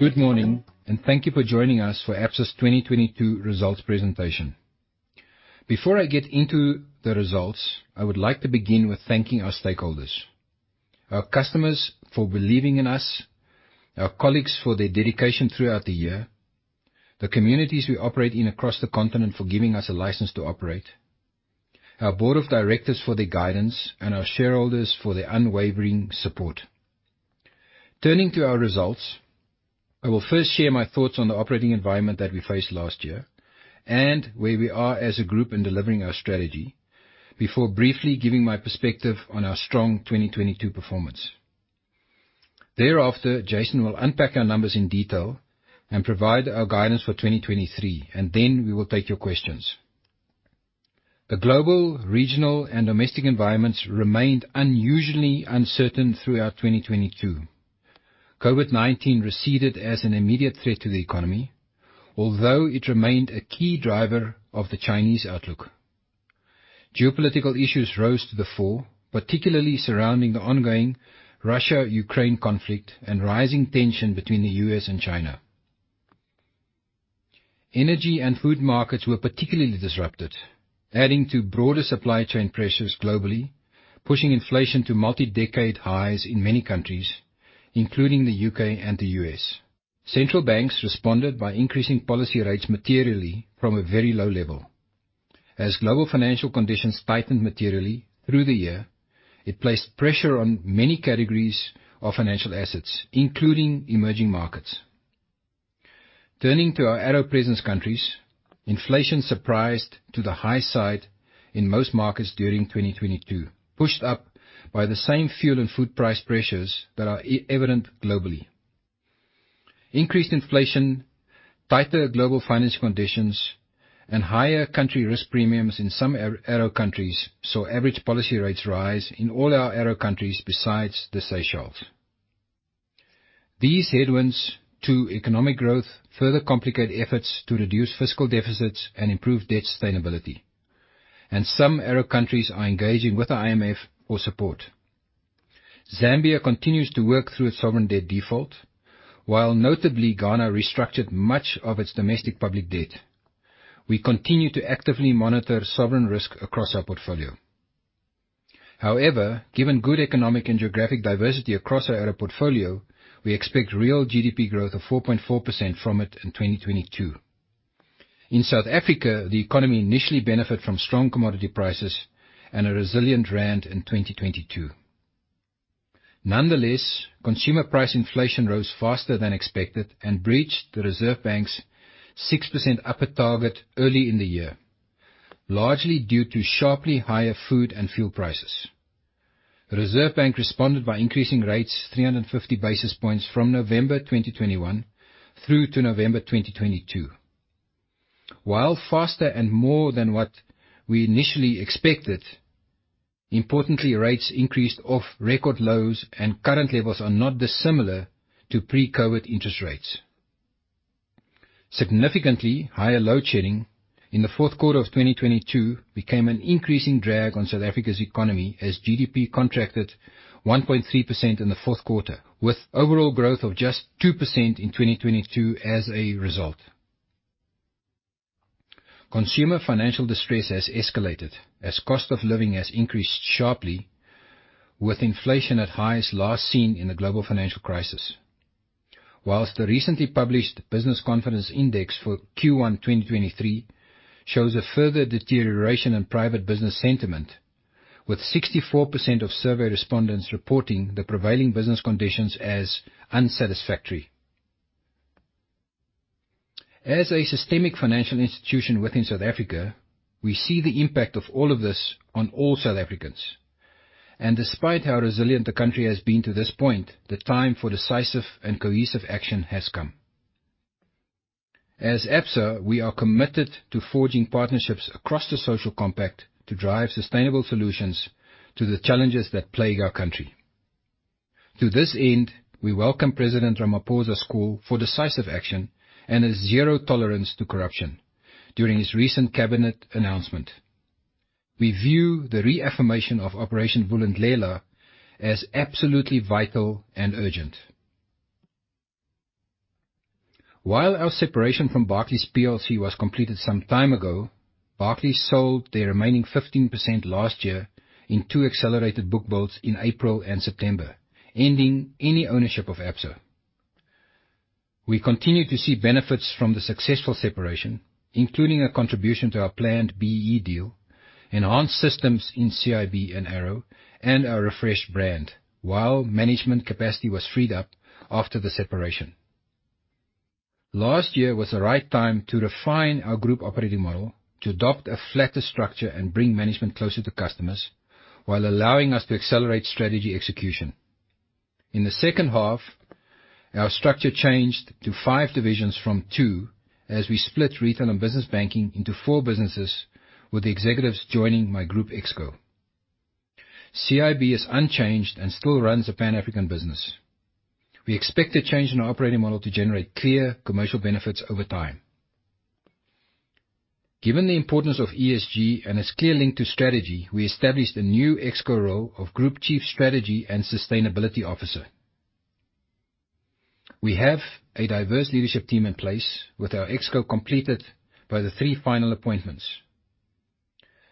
Good morning, thank you for joining us for Absa's 2022 results presentation. Before I get into the results, I would like to begin with thanking our stakeholders. Our customers for believing in us, our colleagues for their dedication throughout the year, the communities we operate in across the continent for giving us a license to operate, our board of directors for their guidance, and our shareholders for their unwavering support. Turning to our results, I will first share my thoughts on the operating environment that we faced last year and where we are as a group in delivering our strategy before briefly giving my perspective on our strong 2022 performance. Thereafter, Jason will unpack our numbers in detail and provide our guidance for 2023, and then we will take your questions. The global, regional, and domestic environments remained unusually uncertain throughout 2022. COVID-19 receded as an immediate threat to the economy, although it remained a key driver of the Chinese outlook. Geopolitical issues rose to the fore, particularly surrounding the ongoing Russia-Ukraine conflict and rising tension between the U.S. And China. Energy and food markets were particularly disrupted, adding to broader supply chain pressures globally, pushing inflation to multi-decade highs in many countries, including the U.K. and the U.S. Central banks responded by increasing policy rates materially from a very low level. As global financial conditions tightened materially through the year, it placed pressure on many categories of financial assets, including emerging markets. Turning to our ARO presence countries, inflation surprised to the high side in most markets during 2022, pushed up by the same fuel and food price pressures that are evident globally. Increased inflation, tighter global finance conditions, and higher country risk premiums in some ARO countries saw average policy rates rise in all our ARO countries besides the Seychelles. These headwinds to economic growth further complicate efforts to reduce fiscal deficits and improve debt sustainability. Some ARO countries are engaging with the IMF for support. Zambia continues to work through its sovereign debt default, while notably Ghana restructured much of its domestic public debt. We continue to actively monitor sovereign risk across our portfolio. However, given good economic and geographic diversity across our ARO portfolio, we expect real GDP growth of 4.4% from it in 2022. In South Africa, the economy initially benefit from strong commodity prices and a resilient rand in 2022. Nonetheless, consumer price inflation rose faster than expected and breached the Reserve Bank's 6% upper target early in the year, largely due to sharply higher food and fuel prices. The Reserve Bank responded by increasing rates 350 basis points from November 2021 through to November 2022. While faster and more than what we initially expected, importantly rates increased off record lows and current levels are not dissimilar to pre-COVID interest rates. Significantly higher load shedding in the fourth quarter of 2022 became an increasing drag on South Africa's economy as GDP contracted 1.3% in the fourth quarter, with overall growth of just 2% in 2022 as a result. Consumer financial distress has escalated as cost of living has increased sharply with inflation at highs last seen in the global financial crisis. Whilst the recently published Business Confidence Index for Q1 2023 shows a further deterioration in private business sentiment, with 64% of survey respondents reporting the prevailing business conditions as unsatisfactory. As a systemic financial institution within South Africa, we see the impact of all of this on all South Africans, despite how resilient the country has been to this point, the time for decisive and cohesive action has come. As Absa, we are committed to forging partnerships across the social compact to drive sustainable solutions to the challenges that plague our country. To this end, we welcome President Ramaphosa's call for decisive action and a zero tolerance to corruption during his recent cabinet announcement. We view the reaffirmation of Operation Vulindlela as absolutely vital and urgent. While our separation from Barclays PLC was completed some time ago, Barclays sold their remaining 15% last year in two accelerated book builds in April and September, ending any ownership of Absa. We continue to see benefits from the successful separation, including a contribution to our planned BEE deal, enhanced systems in CIB and ARO, and our refreshed brand, while management capacity was freed up after the separation. Last year was the right time to refine our group operating model, to adopt a flatter structure and bring management closer to customers while allowing us to accelerate strategy execution. In the second half, our structure changed to five divisions from two as we split retail and business banking into four businesses with executives joining my group Exco. CIB is unchanged and still runs the Pan-African business. We expect the change in our operating model to generate clear commercial benefits over time. Given the importance of ESG and its clear link to strategy, we established a new ExCo role of Group Chief Strategy and Sustainability Officer. We have a diverse leadership team in place with our ExCo completed by the three final appointments.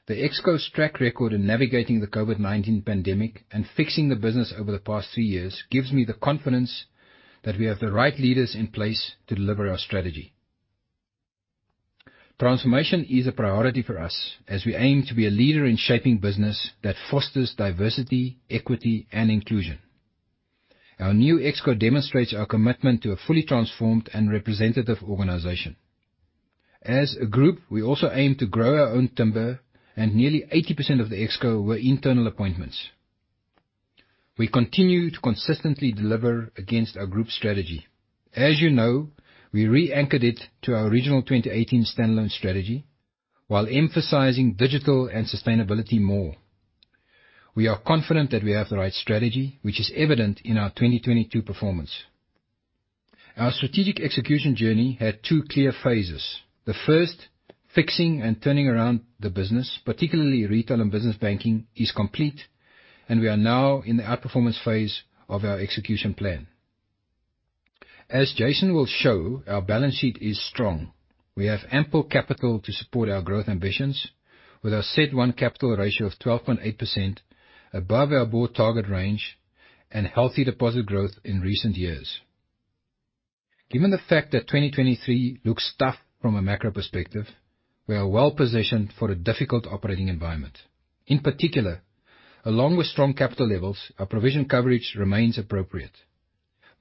The ExCo's track record in navigating the COVID-19 pandemic and fixing the business over the past three years gives me the confidence that we have the right leaders in place to deliver our strategy. Transformation is a priority for us as we aim to be a leader in shaping business that fosters diversity, equity, and inclusion. Our new ExCo demonstrates our commitment to a fully transformed and representative organization. As a group, we also aim to grow our own timber. Nearly 80% of the ExCo were internal appointments. We continue to consistently deliver against our group strategy. As you know, we reanchored it to our original 2018 standalone strategy while emphasizing digital and sustainability more. We are confident that we have the right strategy, which is evident in our 2022 performance. Our strategic execution journey had two clear phases. The first, fixing and turning around the business, particularly retail and business banking, is complete, and we are now in the outperformance phase of our execution plan. As Jason will show, our balance sheet is strong. We have ample capital to support our growth ambitions with our CET 1 capital ratio of 12.8% above our board target range and healthy deposit growth in recent years. Given the fact that 2023 looks tough from a macro perspective, we are well positioned for a difficult operating environment. In particular, along with strong capital levels, our provision coverage remains appropriate.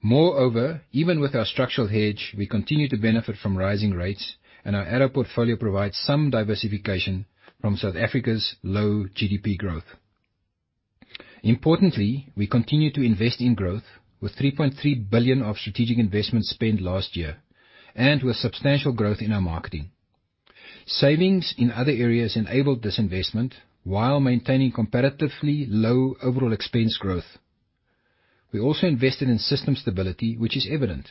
Moreover, even with our structural hedge, we continue to benefit from rising rates, and our ARO portfolio provides some diversification from South Africa's low GDP growth. Importantly, we continue to invest in growth with 3.3 billion of strategic investments spent last year and with substantial growth in our marketing. Savings in other areas enabled this investment while maintaining comparatively low overall expense growth. We also invested in system stability, which is evident.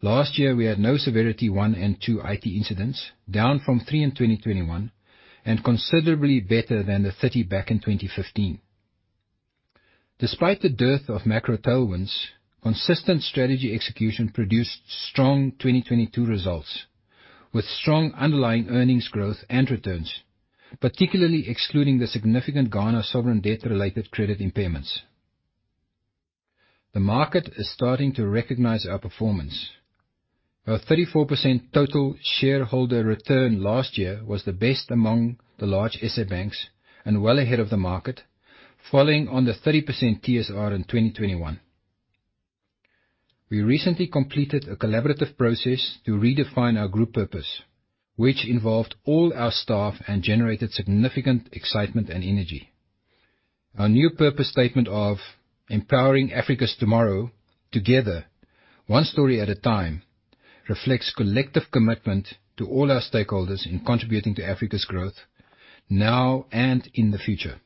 Last year, we had no severity one andtwo IT incidents, down from three in 2021 and considerably better than the 30 back in 2015. Despite the dearth of macro tailwinds, consistent strategy execution produced strong 2022 results with strong underlying earnings growth and returns, particularly excluding the significant Ghana sovereign debt related credit impairments. The market is starting to recognize our performance. Our 34% total shareholder return last year was the best among the large SA banks and well ahead of the market, following on the 30% TSR in 2021. We recently completed a collaborative process to redefine our group purpose, which involved all our staff and generated significant excitement and energy. Our new purpose statement of Empowering Africa's Tomorrow, Together, One Story at a Time reflects collective commitment to all our stakeholders in contributing to Africa's growth now and in the future.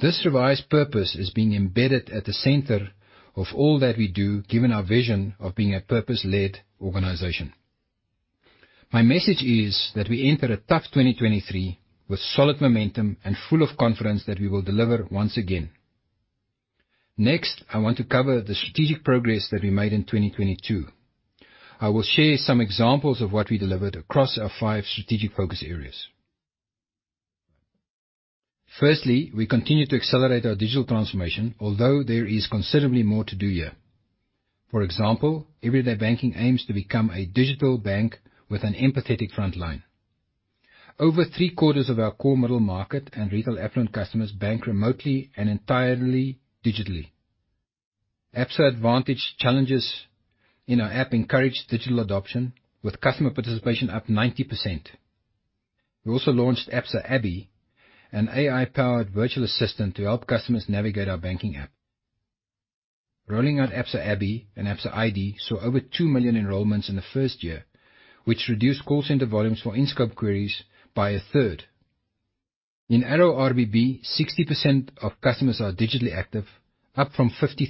This revised purpose is being embedded at the center of all that we do, given our vision of being a purpose-led organization. My message is that we enter a tough 2023 with solid momentum and full of confidence that we will deliver once again. Next, I want to cover the strategic progress that we made in 2022. I will share some examples of what we delivered across our five strategic focus areas. Firstly, we continue to accelerate our digital transformation, although there is considerably more to do here. For example, Everyday Banking aims to become a digital bank with an empathetic front line. Over 3/4 of our core middle market and retail affluent customers bank remotely and entirely digitally. Absa Advantage challenges in our app encourage digital adoption with customer participation up 90%. We also launched Absa Abby, an AI-powered virtual assistant to help customers navigate our banking app. Rolling out Absa Abby and Absa ID saw over 2 million enrollments in the first year, which reduced call center volumes for in-scope queries by a third. In ARO RBB, 60% of customers are digitally active, up from 53%.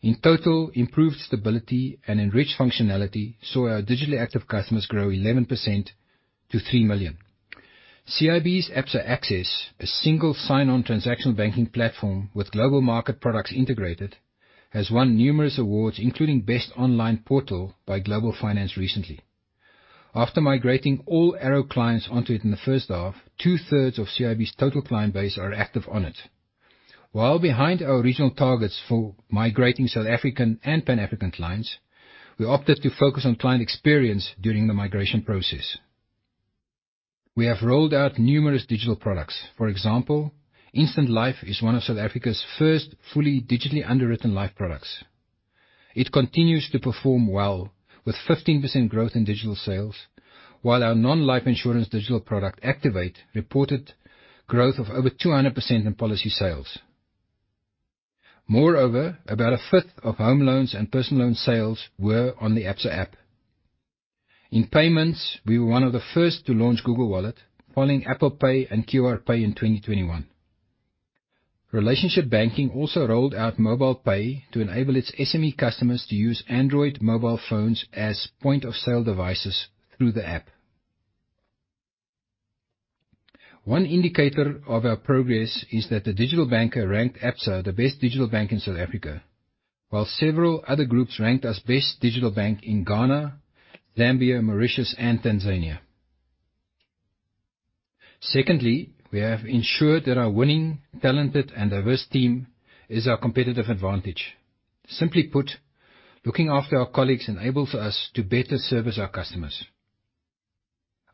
In total, improved stability and enriched functionality saw our digitally active customers grow 11% to 3 million. CIB's Absa Access, a single sign-on transactional banking platform with Global Markets products integrated, has won numerous awards, including Best Online Portal by Global Finance recently. After migrating all ARO clients onto it in the first half, 2/3 of CIB's total client base are active on it. While behind our regional targets for migrating South African and Pan-African clients, we opted to focus on client experience during the migration process. We have rolled out numerous digital products. For example, Instant Life is one of South Africa's first fully digitally underwritten life products. It continues to perform well with 15% growth in digital sales, while our non-life insurance digital product, Activate, reported growth of over 200% in policy sales. Moreover, about 1/5 of home loans and personal loan sales were on the Absa app. In payments, we were one of the first to launch Google Wallet following Apple Pay and QR Pay in 2021. Relationship banking also rolled out Mobile Pay to enable its SME customers to use Android mobile phones as point of sale devices through the app. One indicator of our progress is that The Digital Banker ranked Absa the best digital bank in South Africa, while several other groups ranked as best digital bank in Ghana, Zambia, Mauritius, and Tanzania. We have ensured that our winning talented and diverse team is our competitive advantage. Simply put, looking after our colleagues enables us to better service our customers.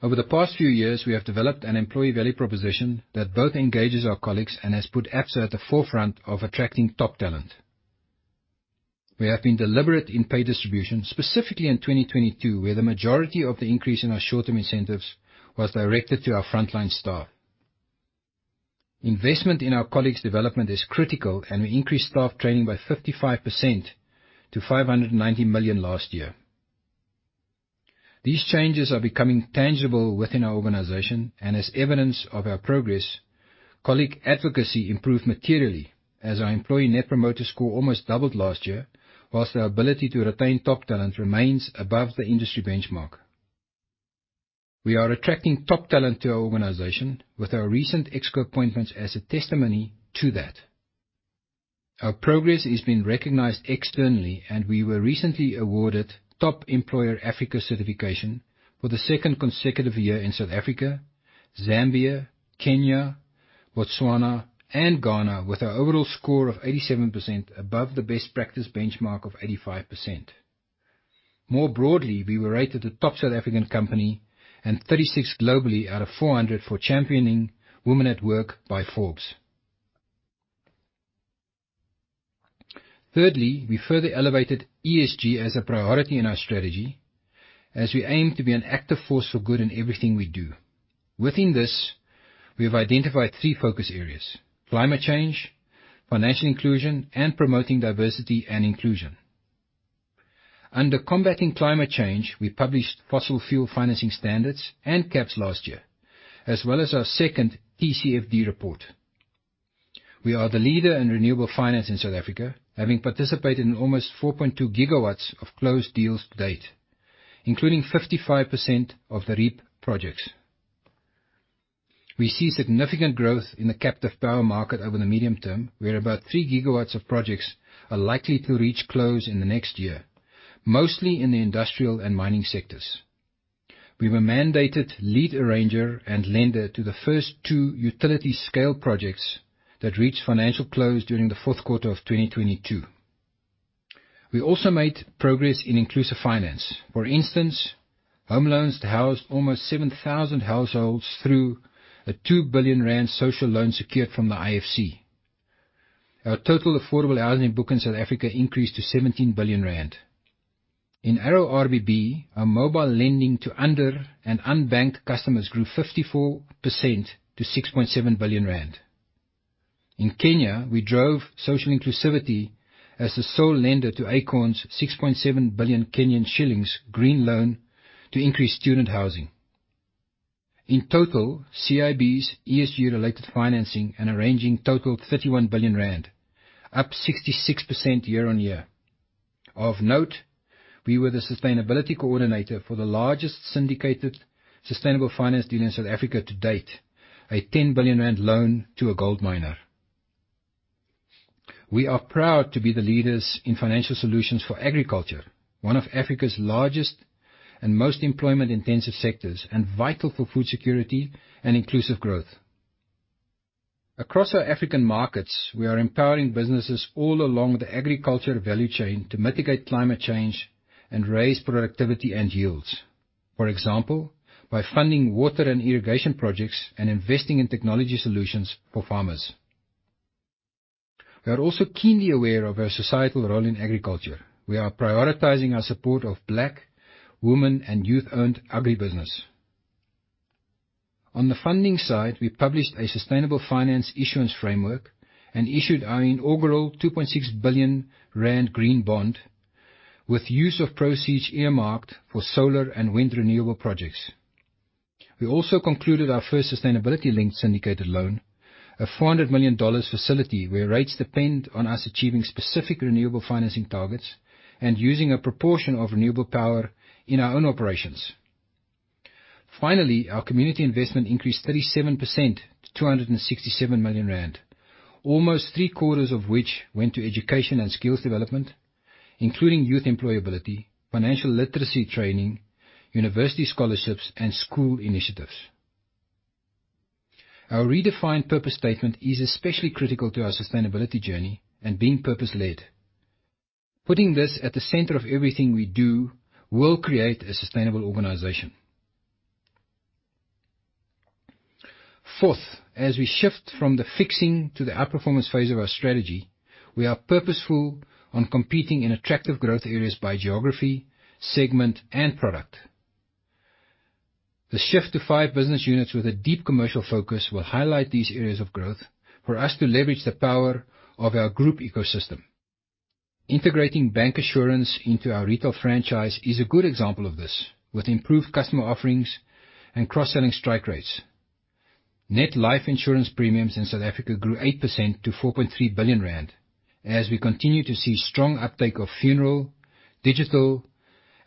Over the past few years, we have developed an employee value proposition that both engages our colleagues and has put Absa at the forefront of attracting top talent. We have been deliberate in pay distribution, specifically in 2022, where the majority of the increase in our short-term incentives was directed to our frontline staff. Investment in our colleagues' development is critical. We increased staff training by 55% to 590 million last year. These changes are becoming tangible within our organization. As evidence of our progress, colleague advocacy improved materially as our employee net promoter score almost doubled last year, while our ability to retain top talent remains above the industry benchmark. We are attracting top talent to our organization with our recent exec appointments as a testimony to that. Our progress has been recognized externally, and we were recently awarded Top Employer Africa certification for the second consecutive year in South Africa, Zambia, Kenya, Botswana, and Ghana with our overall score of 87% above the best practice benchmark of 85%. More broadly, we were rated the top South African company and 36 globally out of 400 for championing women at work by Forbes. Thirdly, we further elevated ESG as a priority in our strategy as we aim to be an active force for good in everything we do. Within this, we have identified three focus areas: climate change, financial inclusion, and promoting diversity and inclusion. Under combating climate change, we published fossil fuel financing standards and caps last year, as well as our second TCFD report. We are the leader in renewable finance in South Africa, having participated in almost 4.2 GW of closed deals to date, including 55% of the REIPP projects. We see significant growth in the captive power market over the medium-term, where about 3 GW of projects are likely to reach close in the next year, mostly in the industrial and mining sectors. We were mandated lead arranger and lender to the first two utility scale projects that reached financial close during the fourth quarter of 2022. We also made progress in inclusive finance. For instance, home loans housed almost 7,000 households through a 2 billion rand social loan secured from the IFC. Our total affordable housing book in South Africa increased to 17 billion rand. In ARO RBB, our mobile lending to under and unbanked customers grew 54% to 6.7 billion rand. In Kenya, we drove social inclusivity as the sole lender to Acorn's 6.7 billion Kenyan shillings green loan to increase student housing. In total, CIB's ESG related financing and arranging totaled 31 billion rand, up 66% year-on-year. Of note, we were the sustainability coordinator for the largest syndicated sustainable finance deal in South Africa to date, a 10 billion rand loan to a gold miner. We are proud to be the leaders in financial solutions for agriculture, one of Africa's largest and most employment intensive sectors, and vital for food security and inclusive growth. Across our African markets, we are empowering businesses all along the agriculture value chain to mitigate climate change and raise productivity and yields. For example, by funding water and irrigation projects and investing in technology solutions for farmers. We are also keenly aware of our societal role in agriculture. We are prioritizing our support of Black, women, and youth-owned agribusiness. On the funding side, we published a sustainable finance issuance framework and issued our inaugural 2.6 billion rand green bond with use of proceeds earmarked for solar and wind renewable projects. We also concluded our first sustainability linked syndicated loan, a $400 million facility where rates depend on us achieving specific renewable financing targets and using a proportion of renewable power in our own operations. Finally, our community investment increased 37% to 267 million rand, almost three quarters of which went to education and skills development, including youth employability, financial literacy training, university scholarships, and school initiatives. Our redefined purpose statement is especially critical to our sustainability journey and being purpose led. Putting this at the center of everything we do will create a sustainable organization. Fourth, as we shift from the fixing to the outperformance phase of our strategy, we are purposeful on competing in attractive growth areas by geography, segment, and product. The shift to five business units with a deep commercial focus will highlight these areas of growth for us to leverage the power of our group ecosystem. Integrating bancassurance into our retail franchise is a good example of this. With improved customer offerings and cross-selling strike rates. Net life insurance premiums in South Africa grew 8% to 4.3 billion rand. We continue to see strong uptake of funeral, digital,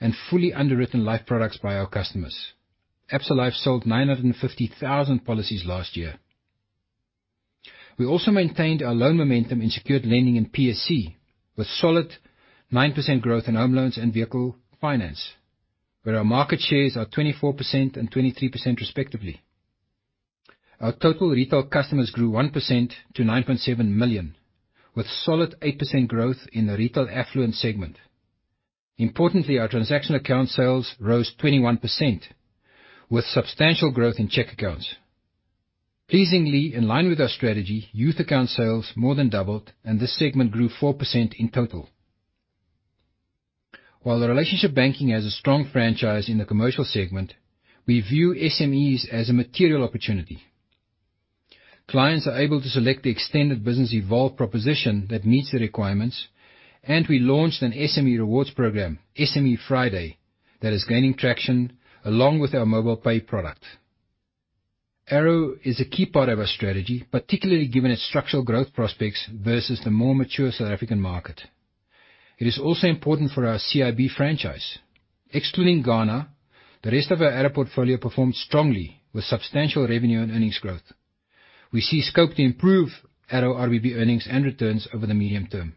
and fully underwritten life products by our customers. Absa Life sold 950,000 policies last year. We also maintained our loan momentum in secured lending in PSC with solid 9% growth in home loans and vehicle finance, where our market shares are 24% and 23% respectively. Our total retail customers grew 1% to 9.7 million, with solid 8% growth in the retail affluent segment. Importantly, our transaction account sales rose 21% with substantial growth in check accounts. Pleasingly, in line with our strategy, youth account sales more than doubled, and this segment grew 4% in total. While Relationship Banking has a strong franchise in the commercial segment, we view SMEs as a material opportunity. Clients are able to select the extended Business Evolve proposition that meets the requirements, and we launched an SME rewards program, SME Friday, that is gaining traction along with our Mobile Pay product. ARO is a key part of our strategy, particularly given its structural growth prospects versus the more mature South African market. It is also important for our CIB franchise. Excluding Ghana, the rest of our ARO portfolio performed strongly with substantial revenue and earnings growth. We see scope to improve ARO RBB earnings and returns over the medium term.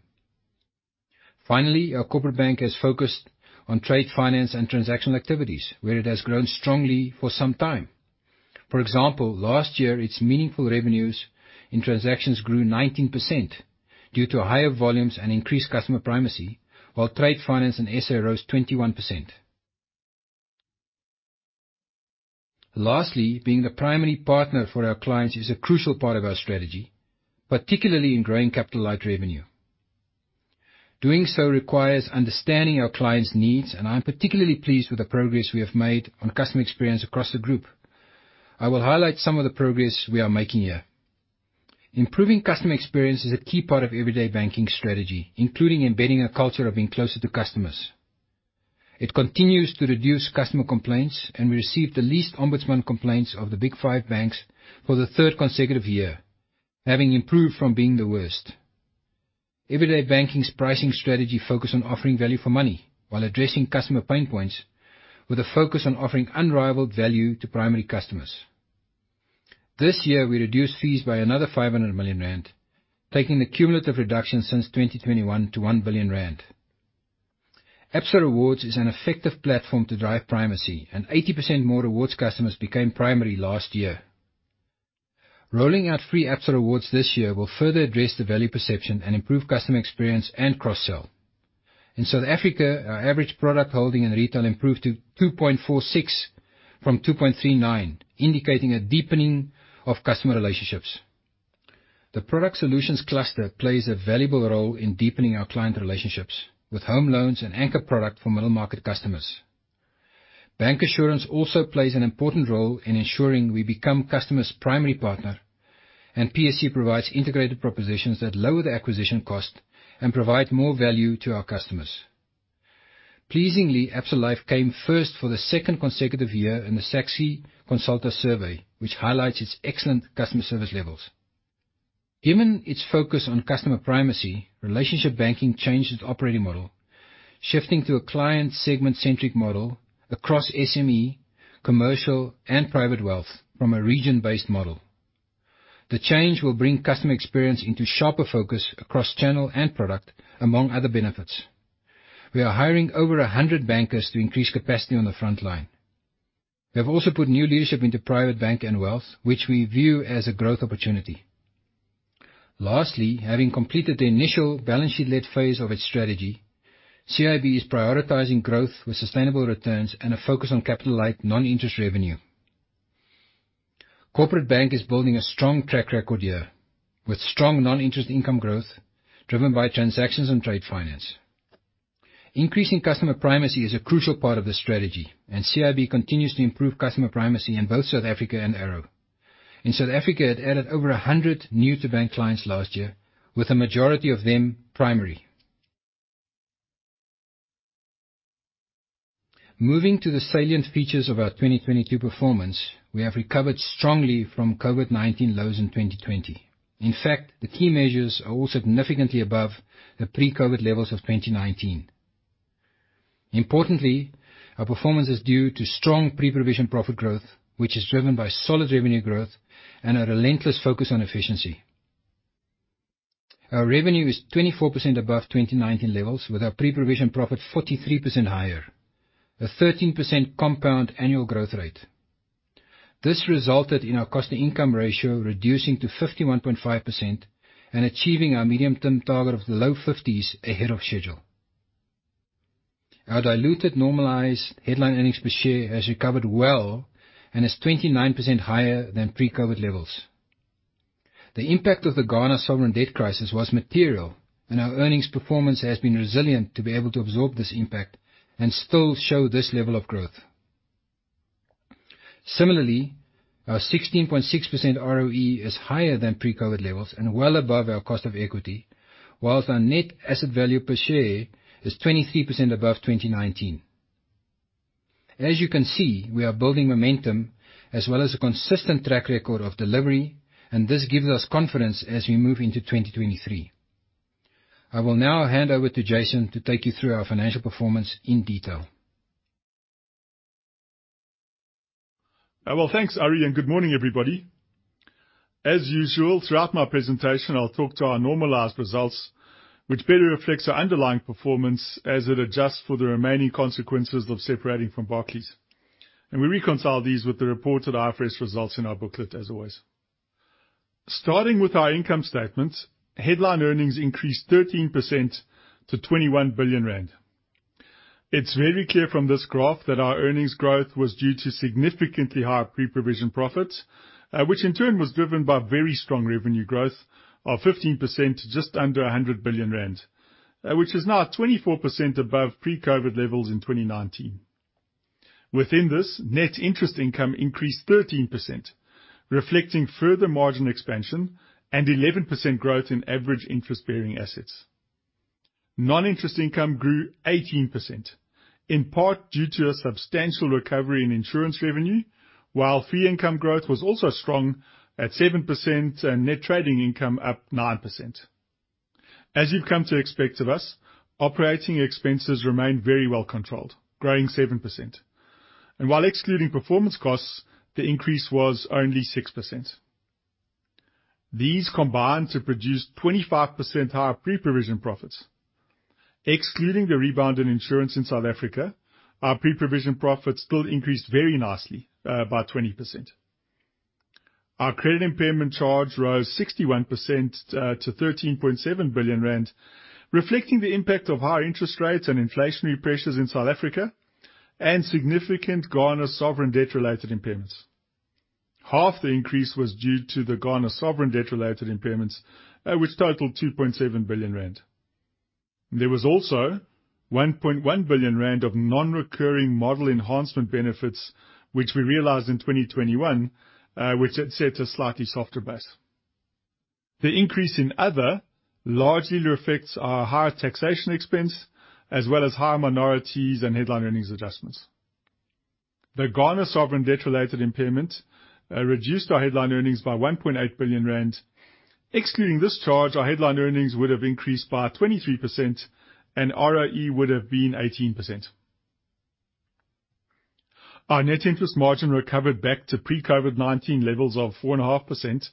Finally, our Corporate Bank has focused on trade finance and transactional activities, where it has grown strongly for some time. For example, last year its meaningful revenues in transactions grew 19% due to higher volumes and increased customer primacy, while trade finance in SA rose 21%. Lastly, being the primary partner for our clients is a crucial part of our strategy, particularly in growing capital light revenue. Doing so requires understanding our clients' needs. I am particularly pleased with the progress we have made on customer experience across the group. I will highlight some of the progress we are making here. Improving customer experience is a key part of Everyday Banking strategy, including embedding a culture of being closer to customers. It continues to reduce customer complaints. We received the least Ombudsman complaints of the big five banks for the third consecutive year, having improved from being the worst. Everyday Banking's pricing strategy focus on offering value for money while addressing customer pain points with a focus on offering unrivaled value to primary customers. This year, we reduced fees by another 500 million rand, taking the cumulative reduction since 2021 to 1 billion rand. Absa Rewards is an effective platform to drive primacy. 80% more rewards customers became primary last year. Rolling out free Absa Rewards this year will further address the value perception and improve customer experience and cross-sell. In South Africa, our average product holding in retail improved to 2.46 from 2.39, indicating a deepening of customer relationships. The product solutions cluster plays a valuable role in deepening our client relationships with home loans and anchor product for middle-market customers. bancassurance also plays an important role in ensuring we become customers' primary partner, and PSC provides integrated propositions that lower the acquisition cost and provide more value to our customers. Pleasingly, Absa Life came first for the second consecutive year in the SA-csi by Consulta survey, which highlights its excellent customer service levels. Given its focus on customer primacy, relationship banking changed its operating model, shifting to a client segment-centric model across SME, commercial, and private wealth from a region-based model. The change will bring customer experience into sharper focus across channel and product, among other benefits. We are hiring over 100 bankers to increase capacity on the front line. We have also put new leadership into private bank and wealth, which we view as a growth opportunity. Lastly, having completed the initial balance sheet led phase of its strategy, CIB is prioritizing growth with sustainable returns and a focus on capital light non-interest revenue. Corporate Bank is building a strong track record here with strong non-interest income growth driven by transactions and trade finance. Increasing customer primacy is a crucial part of the strategy. CIB continues to improve customer primacy in both South Africa and ARO. In South Africa, it added over 100 new-to-bank clients last year, with a majority of them primary. Moving to the salient features of our 2022 performance, we have recovered strongly from COVID-19 lows in 2020. In fact, the key measures are all significantly above the pre-COVID levels of 2019. Importantly, our performance is due to strong pre-provision profit growth, which is driven by solid revenue growth and a relentless focus on efficiency. Our revenue is 24% above 2019 levels, with our pre-provision profit 43% higher, a 13% compound annual growth rate. This resulted in our cost-to-income ratio reducing to 51.5% and achieving our medium-term target of the low 50s-percent ahead of schedule. Our diluted normalized headline earnings per share has recovered well and is 29% higher than pre-COVID levels. The impact of the Ghana sovereign debt crisis was material, and our earnings performance has been resilient to be able to absorb this impact and still show this level of growth. Similarly, our 16.6% ROE is higher than pre-COVID-19 levels and well above our cost of equity, whilst our net asset value per share is 23% above 2019. As you can see, we are building momentum as well as a consistent track record of delivery, and this gives us confidence as we move into 2023. I will now hand over to Jason to take you through our financial performance in detail. Well, thanks, Arrie, and good morning, everybody. As usual, throughout my presentation, I'll talk to our normalized results, which better reflects our underlying performance as it adjusts for the remaining consequences of separating from Barclays. We reconcile these with the reported IFRS results in our booklet, as always. Starting with our income statement, headline earnings increased 13% to 21 billion rand. It's very clear from this graph that our earnings growth was due to significantly higher pre-provision profits, which in turn was driven by very strong revenue growth of 15% to just under 100 billion rand, which is now 24% above pre-COVID levels in 2019. Within this, net interest income increased 13%, reflecting further margin expansion and 11% growth in average interest-bearing assets. Non-interest income grew 18%, in part due to a substantial recovery in insurance revenue, while fee income growth was also strong at 7% and net trading income up 9%. As you've come to expect of us, operating expenses remain very well controlled, growing 7%. While excluding performance costs, the increase was only 6%. These combined to produce 25% higher pre-provision profits. Excluding the rebound in insurance in South Africa, our pre-provision profits still increased very nicely by 20%. Our credit impairment charge rose 61% to 13.7 billion rand, reflecting the impact of higher interest rates and inflationary pressures in South Africa and significant Ghana sovereign debt related impairments. Half the increase was due to the Ghana sovereign debt related impairments, which totaled 2.7 billion rand. There was also 1.1 billion rand of non-recurring model enhancement benefits, which we realized in 2021, which had set a slightly softer base. The increase in other largely reflects our higher taxation expense as well as higher minorities and headline earnings adjustments. The Ghana sovereign debt-related impairment reduced our headline earnings by 1.8 billion rand. Excluding this charge, our headline earnings would have increased by 23%, and ROE would have been 18%. Our net interest margin recovered back to pre-COVID-19 levels of 4.5%,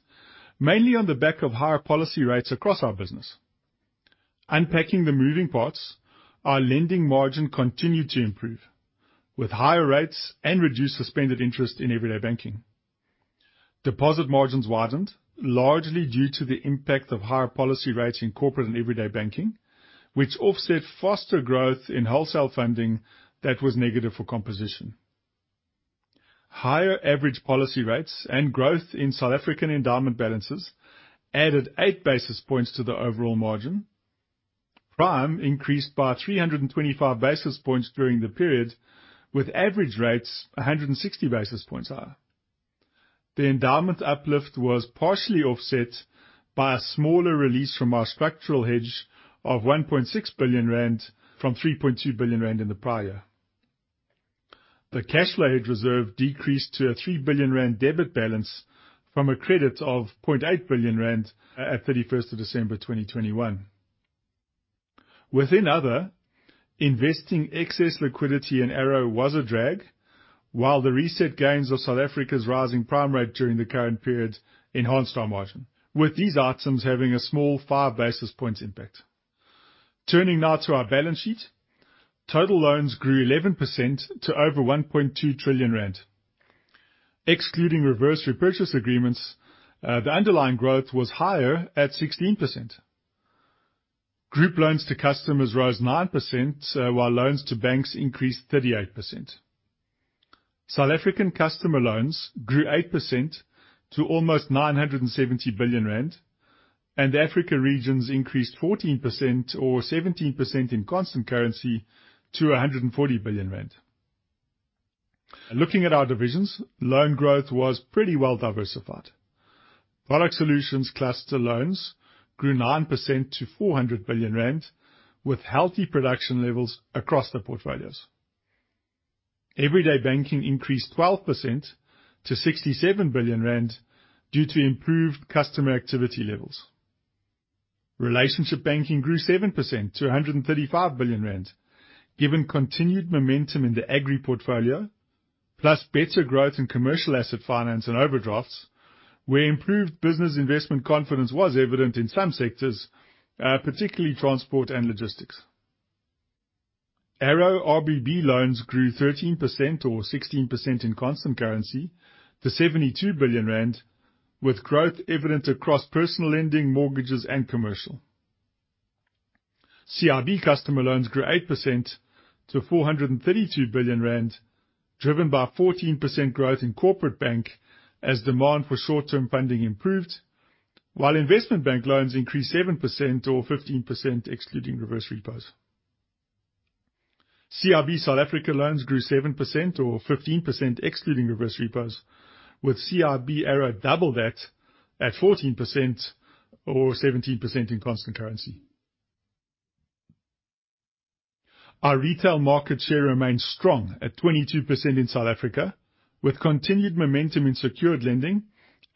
mainly on the back of higher policy rates across our business. Unpacking the moving parts, our lending margin continued to improve with higher rates and reduced suspended interest in Everyday Banking. Deposit margins widened, largely due to the impact of higher policy rates in Corporate Bank and Everyday Banking, which offset foster growth in wholesale funding that was negative for composition. Higher average policy rates and growth in South African endowment balances added 8 basis points to the overall margin. Prime increased by 325 basis points during the period, with average rates 160 basis points higher. The endowment uplift was partially offset by a smaller release from our structural hedge of 1.6 billion rand from 3.2 billion rand in the prior. The cash flow hedge reserve decreased to a 3 billion rand debit balance from a credit of 0.8 billion rand at 31st of December 2021. Within other, investing excess liquidity in ARO was a drag, while the reset gains of South Africa's rising prime rate during the current period enhanced our margin, with these items having a small 5 basis points impact. Turning now to our balance sheet. Total loans grew 11% to over 1.2 trillion rand. Excluding reverse repurchase agreements, the underlying growth was higher at 16%. Group loans to customers rose 9%, while loans to banks increased 38%. South African customer loans grew 8% to almost 970 billion rand, and the Africa regions increased 14% or 17% in constant currency to 140 billion rand. Looking at our divisions, loan growth was pretty well diversified. Product Solutions Cluster loans grew 9% to 400 billion rand, with healthy production levels across the portfolios. Everyday Banking increased 12% to 67 billion rand due to improved customer activity levels. Relationship Banking grew 7% to 135 billion rand, given continued momentum in the agri-portfolio, plus better growth in commercial asset finance and overdrafts, where improved business investment confidence was evident in some sectors, particularly transport and logistics. ARO RBB loans grew 13% or 16% in constant currency to 72 billion rand, with growth evident across personal lending, mortgages, and commercial. CIB customer loans grew 8% to 432 billion rand, driven by 14% growth in Corporate Bank as demand for short-term funding improved, while Investment Bank loans increased 7% or 15%, excluding reverse repos. CIB South Africa loans grew 7% or 15% excluding reverse repos, with CIB ARO double that at 14% or 17% in constant currency. Our retail market share remains strong at 22% in South Africa, with continued momentum in secured lending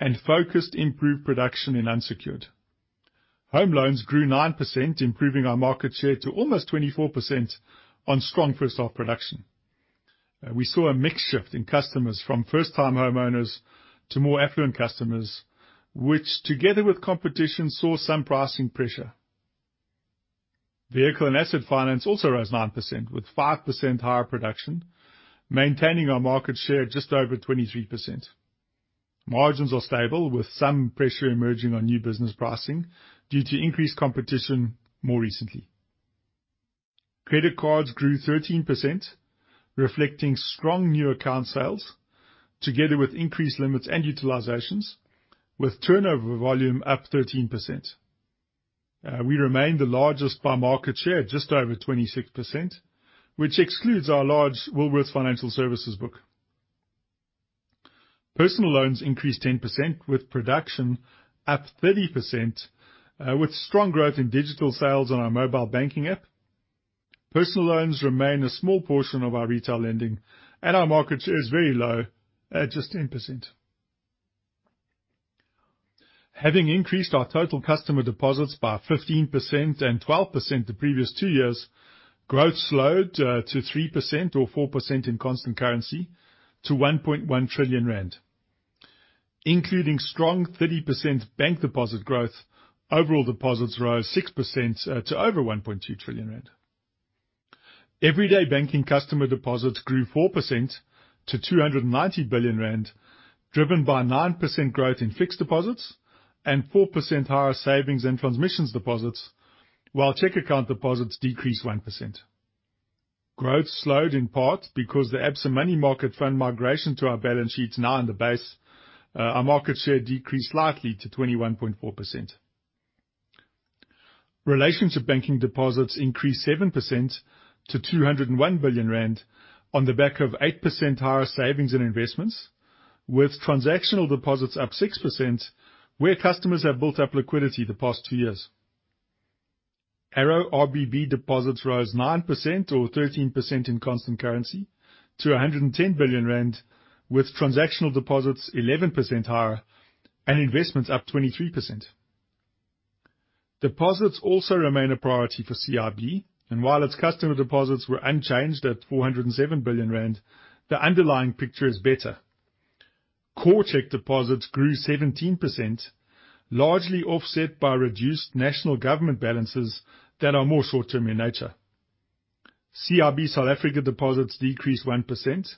and focused improved production in unsecured. Home loans grew 9%, improving our market share to almost 24% on strong first half production. We saw a mix shift in customers from first time homeowners to more affluent customers, which together with competition, saw some pricing pressure. Vehicle and asset finance also rose 9% with 5% higher production, maintaining our market share just over 23%. Margins are stable with some pressure emerging on new business pricing due to increased competition more recently. Credit cards grew 13%, reflecting strong new account sales together with increased limits and utilizations with turnover volume up 13%. We remain the largest by market share just over 26%, which excludes our large Woolworths Financial Services book. Personal loans increased 10% with production up 30%. With strong growth in digital sales on our mobile banking app, personal loans remain a small portion of our retail lending and our market share is very low at just 10%. Having increased our total customer deposits by 15% and 12% the previous two years, growth slowed to 3% or 4% in constant currency to 1.1 trillion rand, including strong 30% bank deposit growth. Overall deposits rose 6% to over 1.2 trillion rand. Everyday Banking and customer deposits grew 4% to 290 billion rand, driven by 9% growth in fixed deposits and 4% higher savings and transmissions deposits, while check account deposits decreased 1%. Growth slowed in part because the Absa Money Market Fund migration to our balance sheet is now in the base. Our market share decreased slightly to 21.4%. Relationship banking deposits increased 7% to 201 billion rand on the back of 8% higher savings and investments with transactional deposits up 6% where customers have built up liquidity the past two years. ARO RBB deposits rose 9% or 13% in constant currency to 110 billion rand, with transactional deposits 11% higher and investments up 23%. Deposits also remain a priority for CIB, and while its customer deposits were unchanged at 407 billion rand, the underlying picture is better. Core check deposits grew 17%, largely offset by reduced national government balances that are more short-term in nature. CIB South Africa deposits decreased 1%,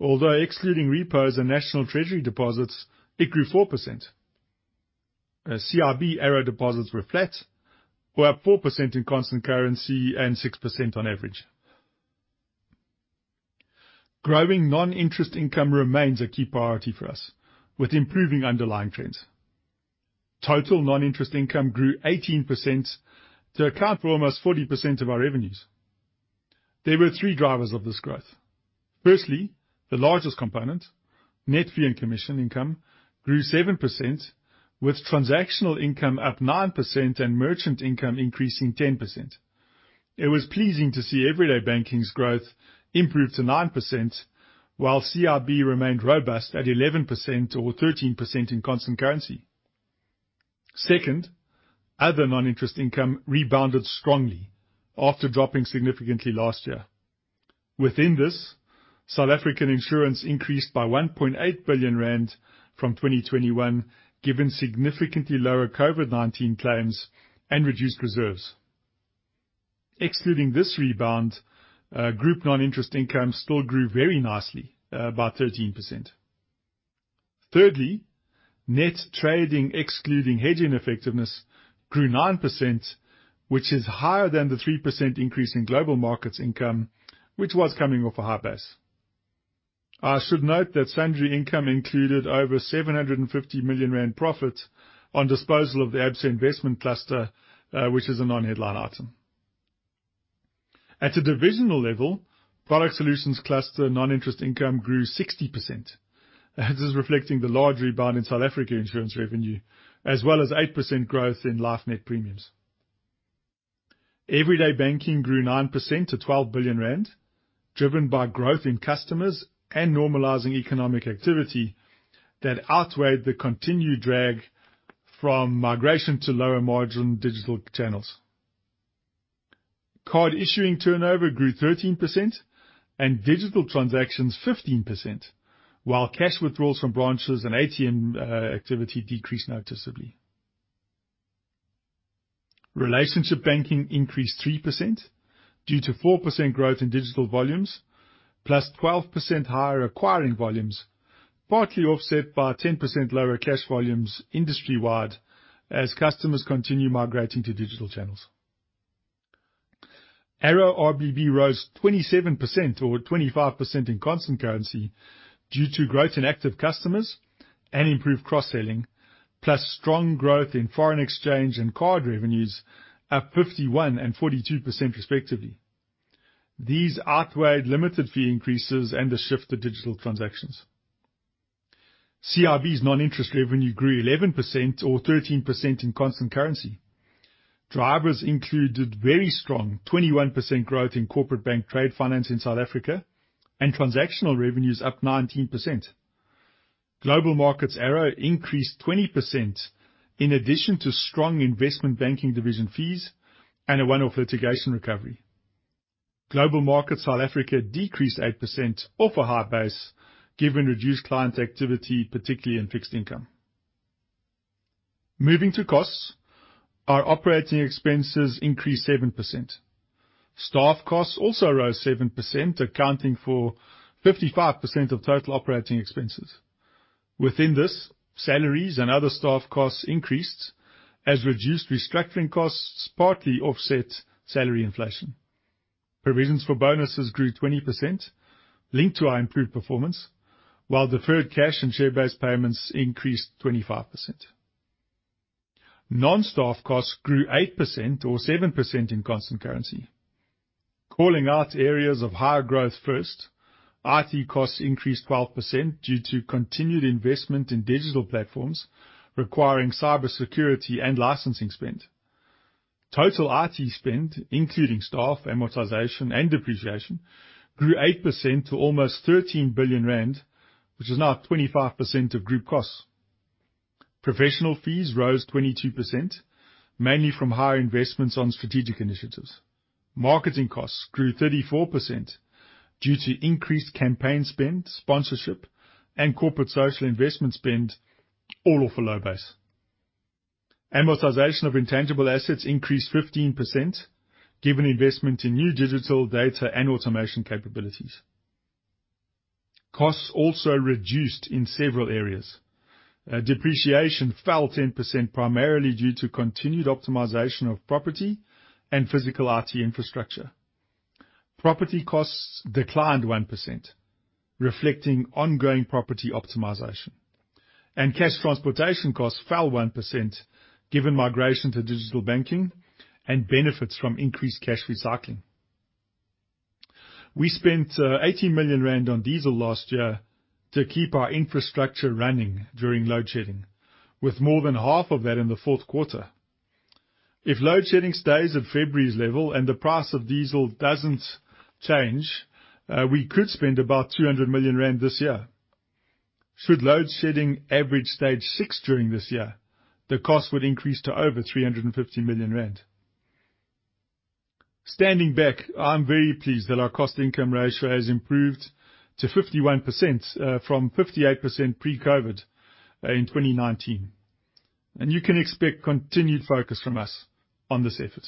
although excluding repos and National Treasury deposits it grew 4%. CIB ARO deposits were flat or up 4% in constant currency and 6% on average. Growing non-interest income remains a key priority for us with improving underlying trends. Total non-interest income grew 18% to account for almost 40% of our revenues. There were three drivers of this growth. Firstly, the largest component, net fee and commission income grew 7% with transactional income up 9% and merchant income increasing 10%. It was pleasing to see Everyday Banking's growth improve to 9%, while CIB remained robust at 11% or 13% in constant currency. Second, other non-interest income rebounded strongly after dropping significantly last year. Within this, South African insurance increased by 1.8 billion rand from 2021, given significantly lower COVID-19 claims and reduced reserves. Excluding this rebound, group non-interest income still grew very nicely, about 13%. Thirdly, net trading excluding hedging effectiveness grew 9%, which is higher than the 3% increase in Global Markets income, which was coming off a high base. I should note that sundry income included over 750 million rand profit on disposal of the Absa investment cluster, which is a non-headline item. At a divisional level, Product Solutions Cluster non-interest income grew 60%. This is reflecting the large rebound in South Africa insurance revenue as well as 8% growth in life net premiums. Everyday Banking grew 9% to 12 billion rand, driven by growth in customers and normalizing economic activity that outweighed the continued drag from migration to lower margin digital channels. Card issuing turnover grew 13% and digital transactions 15%, while cash withdrawals from branches and ATM activity decreased noticeably. Relationship Banking increased 3% due to 4% growth in digital volumes, plus 12% higher acquiring volumes partly offset by 10% lower cash volumes industry-wide as customers continue migrating to digital channels. ARO RBB rose 27% or 25% in constant currency due to growth in active customers. Improved cross-selling, plus strong growth in foreign exchange and card revenues up 51 and 42% respectively. These outweighed limited fee increases and the shift to digital transactions. CIB's non-interest revenue grew 11% or 13% in constant currency. Drivers included very strong 21% growth in Corporate Bank trade finance in South Africa and transactional revenues up 19%. Global Markets ARO increased 20% in addition to strong Investment Banking Division fees and a one-off litigation recovery. Global Markets South Africa decreased 8% off a high base given reduced client activity, particularly in fixed income. Moving to costs, our operating expenses increased 7%. Staff costs also rose 7%, accounting for 55% of total operating expenses. Within this, salaries and other staff costs increased as reduced restructuring costs partly offset salary inflation. Provisions for bonuses grew 20% linked to our improved performance, while deferred cash and share-based payments increased 25%. Non-staff costs grew 8% or 7% in constant currency. Calling out areas of higher growth first, IT costs increased 12% due to continued investment in digital platforms requiring cybersecurity and licensing spend. Total IT spend, including staff, amortization, and depreciation, grew 8% to almost 13 billion rand, which is now 25% of group costs. Professional fees rose 22%, mainly from higher investments on strategic initiatives. Marketing costs grew 34% due to increased campaign spend, sponsorship, and corporate social investment spend, all off a low base. Amortization of intangible assets increased 15% given investment in new digital data and automation capabilities. Costs also reduced in several areas. Depreciation fell 10%, primarily due to continued optimization of property and physical IT infrastructure. Property costs declined 1%, reflecting ongoing property optimization. Cash transportation costs fell 1% given migration to digital banking and benefits from increased cash recycling. We spent 80 million rand on diesel last year to keep our infrastructure running during load shedding, with more than half of that in the fourth quarter. If load shedding stays at February's level and the price of diesel doesn't change, we could spend about 200 million rand this year. Should load shedding average Stage 6 during this year, the cost would increase to over 350 million rand. Standing back, I'm very pleased that our cost-income ratio has improved to 51% from 58% pre-COVID in 2019. You can expect continued focus from us on this effort.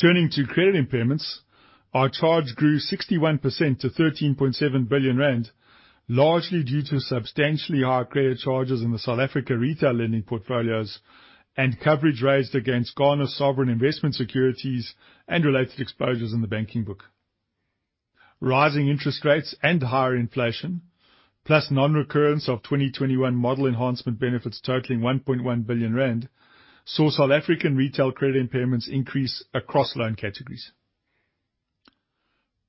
Turning to credit impairments, our charge grew 61% to 13.7 billion rand, largely due to substantially higher credit charges in the South Africa retail lending portfolios and coverage raised against Ghana Sovereign Investment securities and related exposures in the banking book. Rising interest rates and higher inflation, plus non-recurrence of 2021 model enhancement benefits totaling 1.1 billion rand, saw South African retail credit impairments increase across loan categories.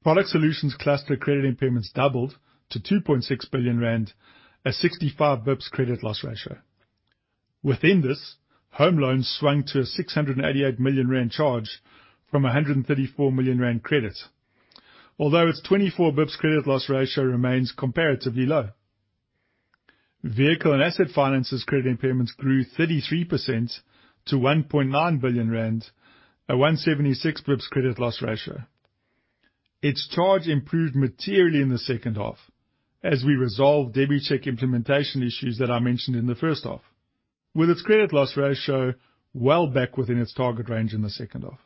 Product Solutions Cluster credit impairments doubled to 2.6 billion rand, a 65 basis points credit loss ratio. Within this, home loans swung to a 688 million rand charge from a 134 million rand credit. Although its 24 basis points credit loss ratio remains comparatively low. Vehicle and asset finances credit impairments grew 33% to 1.9 billion rand, a 176 basis points credit loss ratio. Its charge improved materially in the second half as we resolved DebiCheck implementation issues that I mentioned in the first half. With its credit loss ratio well back within its target range in the second half.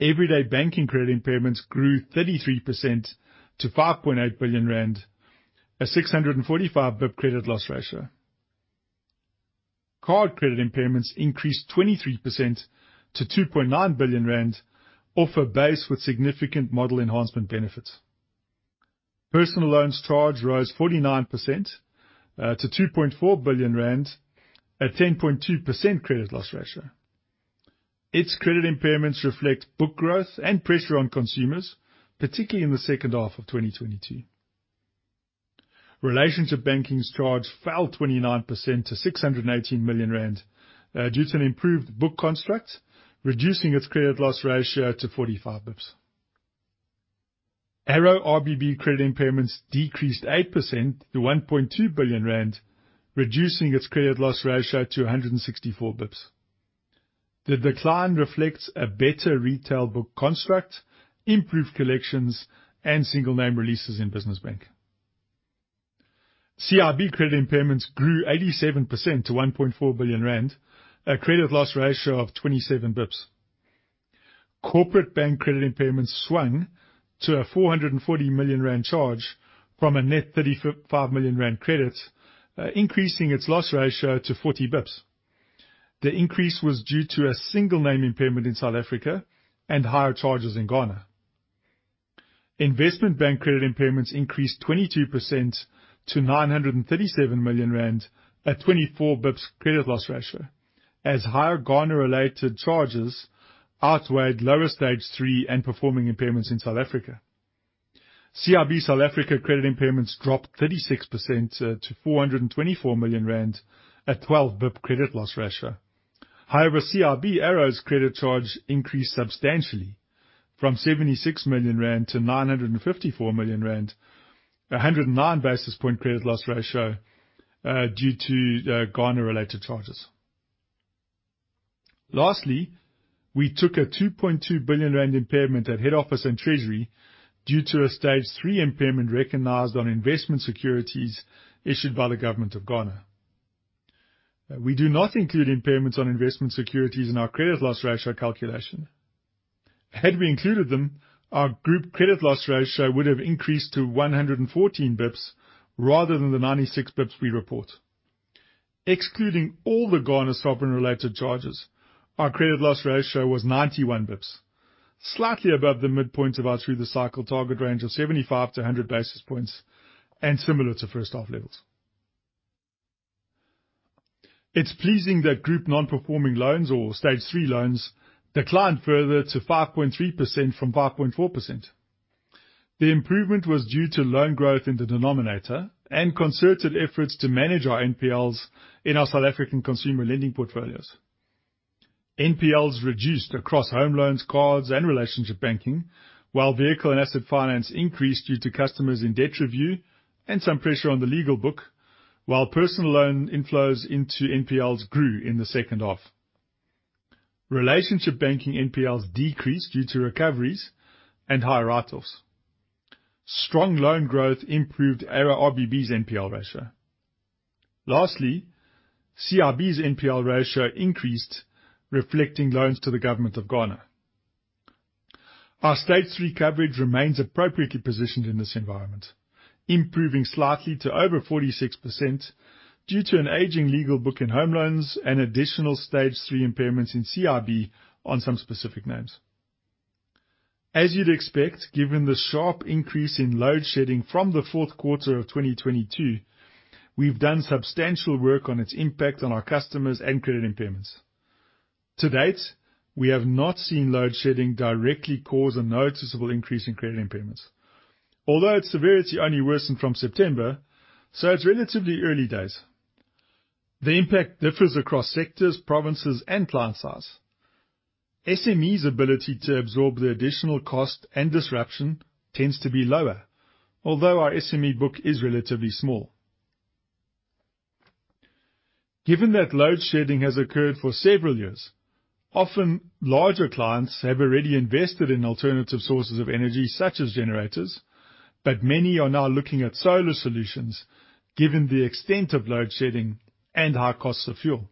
Everyday Banking credit impairments grew 33% to 5.8 billion rand, a 645 basis points credit loss ratio. Card credit impairments increased 23% to 2.9 billion rand off a base with significant model enhancement benefits. Personal loans charge rose 49% to 2.4 billion rand at 10.2% credit loss ratio. Its credit impairments reflect book growth and pressure on consumers, particularly in the second half of 2022. Relationship Banking's charge fell 29% to 618 million rand due to an improved book construct, reducing its credit loss ratio to 45 basis points. ARO RBB credit impairments decreased 8% to 1.2 billion rand, reducing its credit loss ratio to 164 basis points. The decline reflects a better retail book construct, improved collections, and single name releases in Business Banking. CIB credit impairments grew 87% to 1.4 billion rand, a credit loss ratio of 27 basis points. Corporate Bank credit impairments swung to a 440 million rand charge from a net 35 million rand credit, increasing its loss ratio to 40 basis points. The increase was due to a single name impairment in South Africa and higher charges in Ghana. Bank credit impairments increased 22% to 937 million rand at 24 basis points credit loss ratio as higher Ghana related charges outweighed lower stage three and performing impairments in South Africa. CIB South Africa credit impairments dropped 36% to 424 million rand at 12 basis points credit loss ratio. However, CIB ARO's credit charge increased substantially from 76 million rand to 954 million rand, a 109 basis point credit loss ratio, due to Ghana-related charges. Lastly, we took a 2.2 billion rand impairment at head office and treasury due to a Stage 3 impairment recognized on investment securities issued by the Government of Ghana. We do not include impairments on investment securities in our credit loss ratio calculation. Had we included them, our group credit loss ratio would have increased to 114 basis points rather than the 96 basis points we report. Excluding all the Ghana sovereign-related charges, our credit loss ratio was 91 basis points, slightly above the midpoint of our through the cycle target range of 75-100 basis points and similar to first-half levels. It's pleasing that group non-performing loans or Stage 3 loans declined further to 5.3% from 5.4%. The improvement was due to loan growth in the denominator and concerted efforts to manage our NPLs in our South African consumer lending portfolios. NPLs reduced across home loans, cards, and Relationship Banking, while vehicle and asset finance increased due to customers in debt review and some pressure on the legal book, while personal loan inflows into NPLs grew in the second half. Relationship Banking NPLs decreased due to recoveries and higher write-offs. Strong loan growth improved ARO RBB's NPL ratio. Lastly, CIB's NPL ratio increased, reflecting loans to the Government of Ghana. Our stage three coverage remains appropriately positioned in this environment, improving slightly to over 46% due to an aging legal book in home loans and additional stage three impairments in CIB on some specific names. As you'd expect, given the sharp increase in load shedding from the fourth quarter of 2022, we've done substantial work on its impact on our customers and credit impairments. To date, we have not seen load shedding directly cause a noticeable increase in credit impairments, although its severity only worsened from September, so it's relatively early days. The impact differs across sectors, provinces and client size. SMEs ability to absorb the additional cost and disruption tends to be lower, although our SME book is relatively small. Given that load shedding has occurred for several years, often larger clients have already invested in alternative sources of energy such as generators, but many are now looking at solar solutions given the extent of load shedding and high costs of fuel.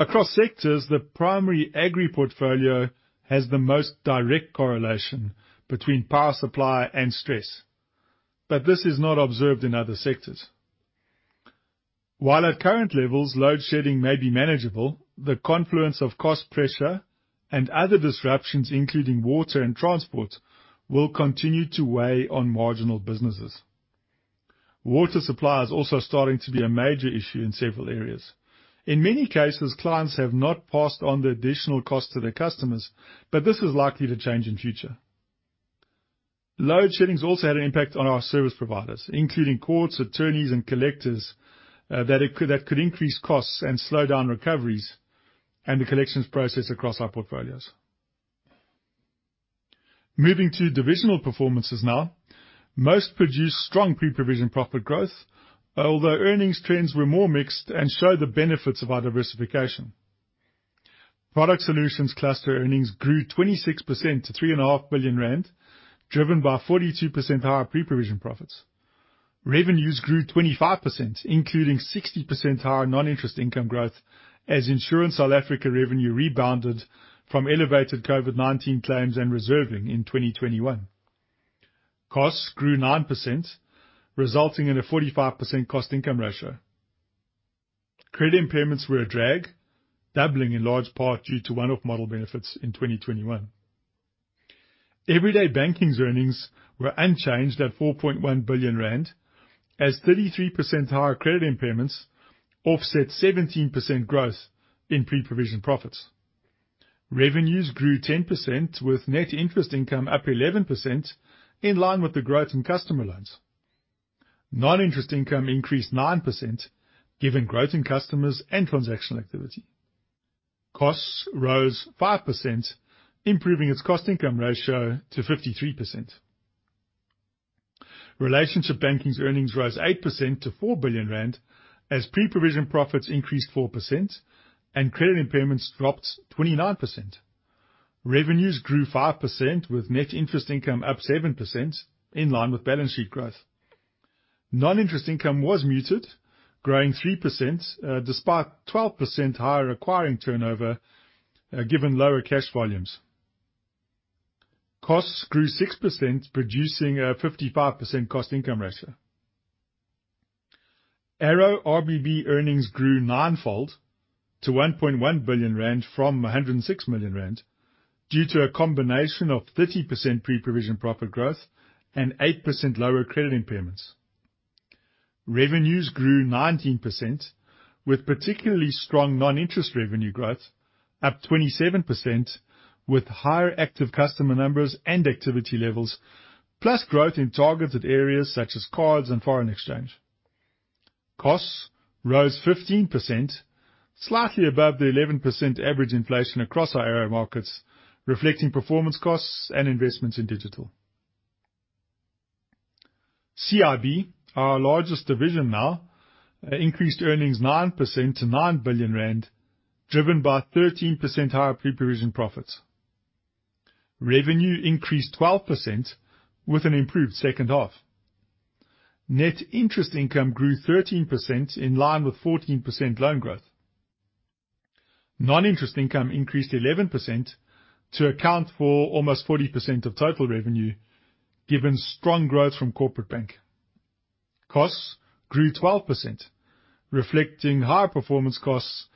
Across sectors, the primary agri-portfolio has the most direct correlation between power supply and stress, but this is not observed in other sectors. While at current levels, load shedding may be manageable, the confluence of cost pressure and other disruptions, including water and transport, will continue to weigh on marginal businesses. Water supply is also starting to be a major issue in several areas. In many cases, clients have not passed on the additional cost to their customers, but this is likely to change in future. Load shedding has also had an impact on our service providers, including courts, attorneys, and collectors, that could increase costs and slow down recoveries and the collections process across our portfolios. Moving to divisional performances now, most produced strong pre-provision profit growth, although earnings trends were more mixed and show the benefits of our diversification. Product Solutions Cluster earnings grew 26% to 3.5 Billion rand, driven by 42% higher pre-provision profits. Revenues grew 25%, including 60% higher non-interest income growth as Insurance SA revenue rebounded from elevated COVID-19 claims and reserving in 2021. Costs grew 9%, resulting in a 45% cost income ratio. Credit impairments were a drag, doubling in large part due to one-off model benefits in 2021. Everyday Banking's earnings were unchanged at 4.1 billion rand as 33% higher credit impairments offset 17% growth in pre-provision profits. Revenues grew 10% with net interest income up 11% in line with the growth in customer loans. Non-interest income increased 9% given growth in customers and transactional activity. Costs rose 5%, improving its cost income ratio to 53%. Relationship Banking's earnings rose 8% to 4 billion rand as pre-provision profits increased 4% and credit impairments dropped 29%. Revenues grew 5% with net interest income up 7% in line with balance sheet growth. Non-interest income was muted, growing 3% despite 12% higher acquiring turnover given lower cash volumes. Costs grew 6% producing a 55% cost income ratio. ARO RBB earnings grew nine-fold to 1.1 billion rand from 106 million rand due to a combination of 30% pre-provision profit growth and 8% lower credit impairments. Revenues grew 19% with particularly strong non-interest revenue growth up 27% with higher active customer numbers and activity levels, plus growth in targeted areas such as cards and foreign exchange. Costs rose 15% slightly above the 11% average inflation across our ARO markets, reflecting performance costs and investments in digital. CIB, our largest division now, increased earnings 9% to 9 billion rand, driven by 13% higher pre-provision profits. Revenue increased 12% with an improved second half. Net interest income grew 13% in line with 14% loan growth. Non-interest income increased 11% to account for almost 40% of total revenue, given strong growth from Corporate Bank. Costs grew 12%, reflecting higher performance costs,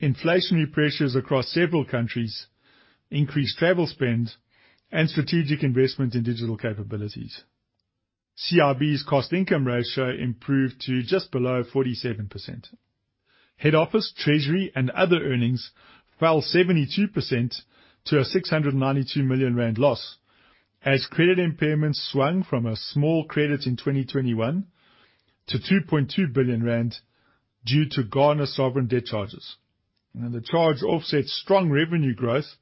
inflationary pressures across several countries, increased travel spend and strategic investment in digital capabilities. CIB's cost income ratio improved to just below 47%. Head Office, Treasury and Other earnings fell 72% to a 692 million rand loss as credit impairments swung from a small credit in 2021 to 2.2 billion rand due to Ghana sovereign debt charges. The charge offsets strong revenue growth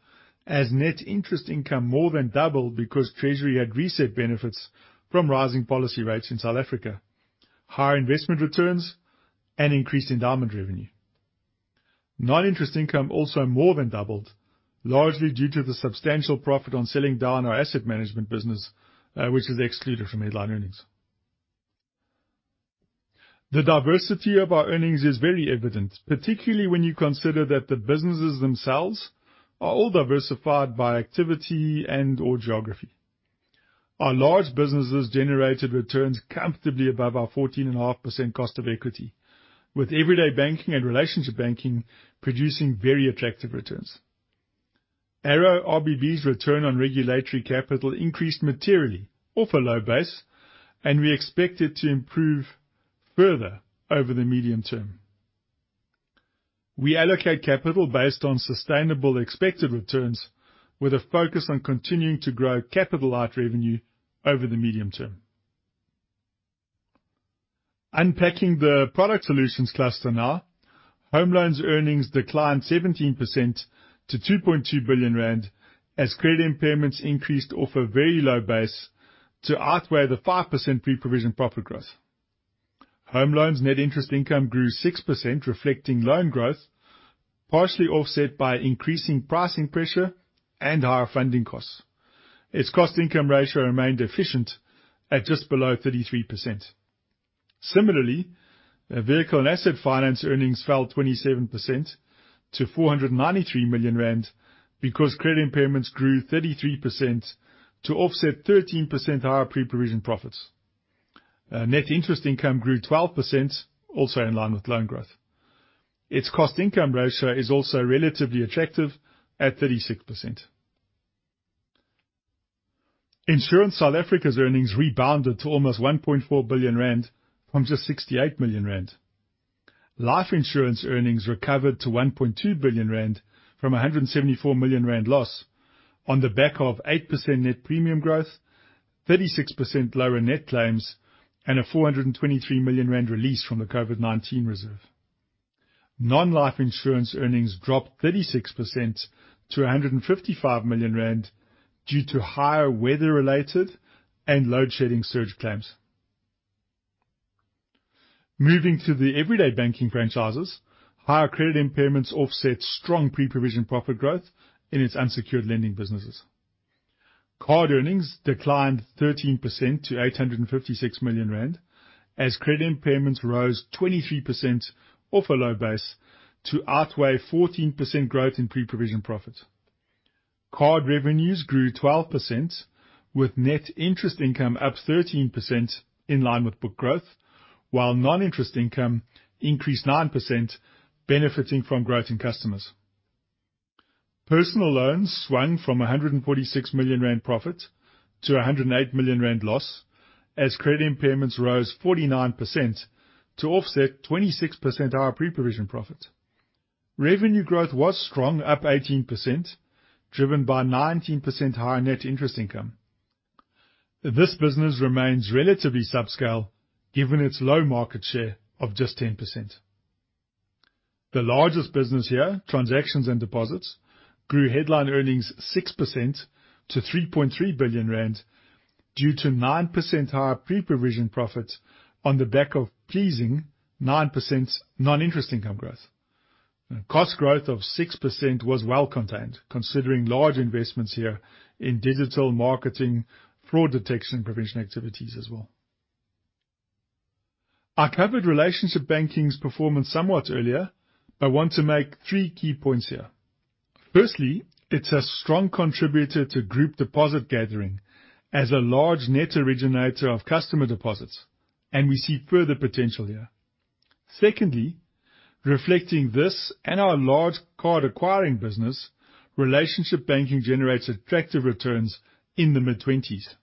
as net interest income more than doubled because Treasury had reset benefits from rising policy rates in South Africa, higher investment returns and increased endowment revenue. Non-interest income also more than doubled, largely due to the substantial profit on selling down our asset management business, which is excluded from headline earnings. The diversity of our earnings is very evident, particularly when you consider that the businesses themselves are all diversified by activity and/or geography. Our large businesses generated returns comfortably above our 14.5% cost of equity, with Everyday Banking and Relationship Banking producing very attractive returns. ARO RBB's return on regulatory capital increased materially off a low base, and we expect it to improve further over the medium-term. We allocate capital based on sustainable expected returns with a focus on continuing to grow capital light revenue over the medium-term. Unpacking the Product Solutions Cluster now. Home loans earnings declined 17% to 2.2 billion rand as credit impairments increased off a very low base to outweigh the 5% pre-provision profit growth. Home loans net interest income grew 6%, reflecting loan growth, partially offset by increasing pricing pressure and higher funding costs. Its cost income ratio remained efficient at just below 33%. Similarly, vehicle and asset finance earnings fell 27% to 493 million rand because credit impairments grew 33% to offset 13% higher pre-provision profits. Net interest income grew 12%, also in line with loan growth. Its cost income ratio is also relatively attractive at 36%. Insurance South Africa's earnings rebounded to almost 1.4 billion rand from just 68 million rand. Life insurance earnings recovered to 1.2 billion rand from a 174 million rand loss on the back of 8% net premium growth, 36% lower net claims and a 423 million rand release from the COVID-19 reserve. Non-life insurance earnings dropped 36% to 155 million rand due to higher weather-related and load shedding surge claims. Moving to the Everyday Banking franchises, higher credit impairments offset strong pre-provision profit growth in its unsecured lending businesses. Card earnings declined 13% to 856 million rand as credit impairments rose 23% off a low base to outweigh 14% growth in pre-provision profit. Card revenues grew 12% with net interest income up 13% in line with book growth, while non-interest income increased 9% benefiting from growth in customers. Personal loans swung from a 146 million rand profit to a 108 million rand loss as credit impairments rose 49% to offset 26% higher pre-provision profit. Revenue growth was strong up 18%, driven by 19% higher net interest income. This business remains relatively subscale given its low market share of just 10%. The largest business here, transactions and deposits, grew headline earnings 6% to 3.3 billion rand due to 9% higher pre-provision profit on the back of pleasing 9% non-interest income growth. Cost growth of 6% was well contained, considering large investments here in digital marketing, fraud detection, prevention activities as well. I covered Relationship Banking's performance somewhat earlier, but want to make three key points here. Firstly, it's a strong contributor to group deposit gathering as a large net originator of customer deposits, and we see further potential here. Secondly, reflecting this and our large card acquiring business, Relationship Banking generates attractive returns in the mid-twenties.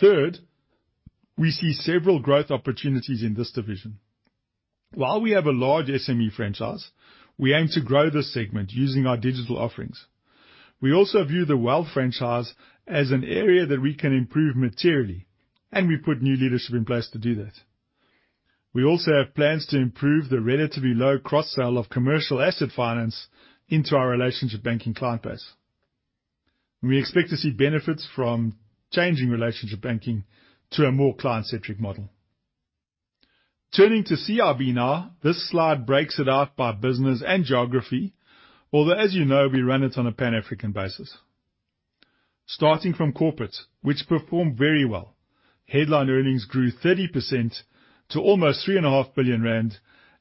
Third, we see several growth opportunities in this division. While we have a large SME franchise, we aim to grow this segment using our digital offerings. We also view the wealth franchise as an area that we can improve materially, and we put new leadership in place to do that. We also have plans to improve the relatively low cross-sell of commercial asset finance into our Relationship Banking client base. We expect to see benefits from changing Relationship Banking to a more client-centric model. Turning to CIB now. This slide breaks it out by business and geography, although as you know, we run it on a Pan-African basis. Starting from corporate, which performed very well, headline earnings grew 30% to almost 3.5 billion rand,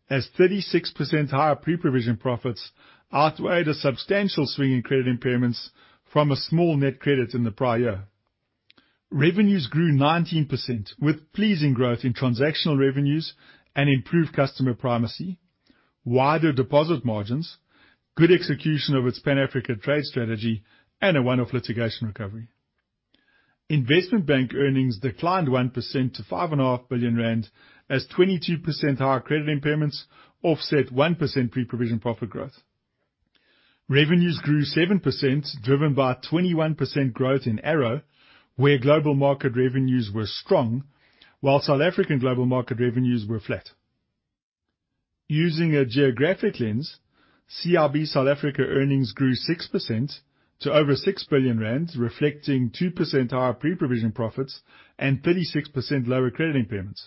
as 36% higher pre-provision profits outweighed a substantial swing in credit impairments from a small net credit in the prior year. Revenues grew 19% with pleasing growth in transactional revenues and improved customer primacy, wider deposit margins, good execution of its Pan-African trade strategy, and a one-off litigation recovery. Investment Bank earnings declined 1% to 5.5 Billion rand, as 22% higher credit impairments offset 1% pre-provision profit growth. Revenues grew 7%, driven by 21% growth in ARO, where Global Markets revenues were strong, while South African Global Markets revenues were flat. Using a geographic lens, CIB South Africa earnings grew 6% to overZAR 6 billion, reflecting 2% higher pre-provision profits and 36% lower credit impairments.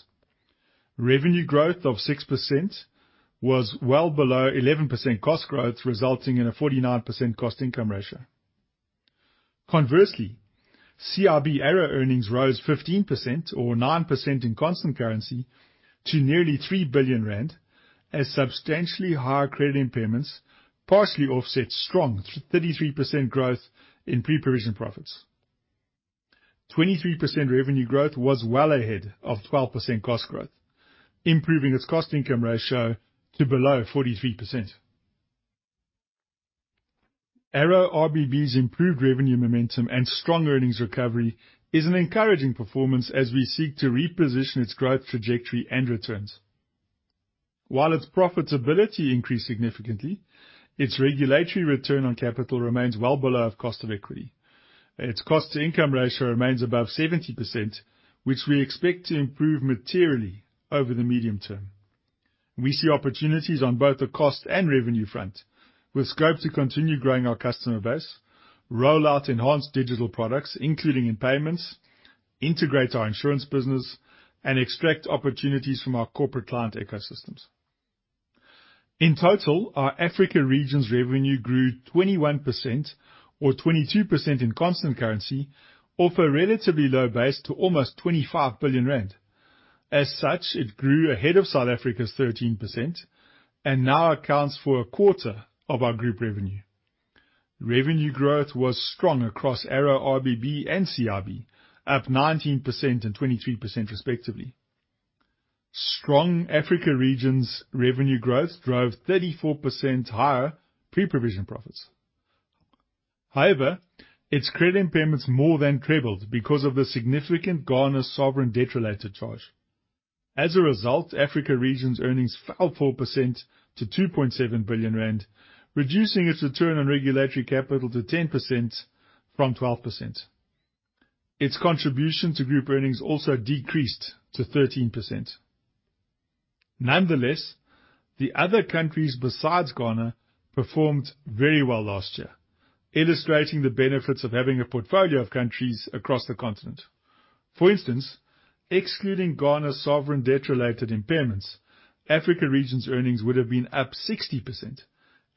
Revenue growth of 6% was well below 11% cost growth, resulting in a 49% cost-income ratio. Conversely, CIB ARO earnings rose 15% or 9% in constant currency to nearly 3 billion rand as substantially higher credit impairments partially offset strong 33% growth in pre-provision profits. 23% revenue growth was well ahead of 12% cost growth, improving its cost-income ratio to below 43%. ARO RBB's improved revenue momentum and strong earnings recovery is an encouraging performance as we seek to reposition its growth trajectory and returns. While its profitability increased significantly, its regulatory return on capital remains well below of cost of equity. Its cost-income ratio remains above 70%, which we expect to improve materially over the medium-term. We see opportunities on both the cost and revenue front with scope to continue growing our customer base, roll out enhanced digital products, including in payments, integrate our insurance business, and extract opportunities from our corporate client ecosystems. In total, our Africa region's revenue grew 21% or 22% in constant currency off a relatively low base to almost 25 billion rand. As such, it grew ahead of South Africa's 13% and now accounts for 1/4 of our group revenue. Revenue growth was strong across ARO, RBB, and CIB, up 19% and 23% respectively. Strong Africa region's revenue growth drove 34% higher pre-provision profits. However, its credit impairments more than trebled because of the significant Ghana sovereign debt-related charge. As a result, Africa region's earnings fell 4% to 2.7 billion rand, reducing its return on regulatory capital to 10% from 12%. Its contribution to group earnings also decreased to 13%. The other countries besides Ghana performed very well last year, illustrating the benefits of having a portfolio of countries across the continent. For instance, excluding Ghana's sovereign debt related impairments, Africa region's earnings would have been up 60%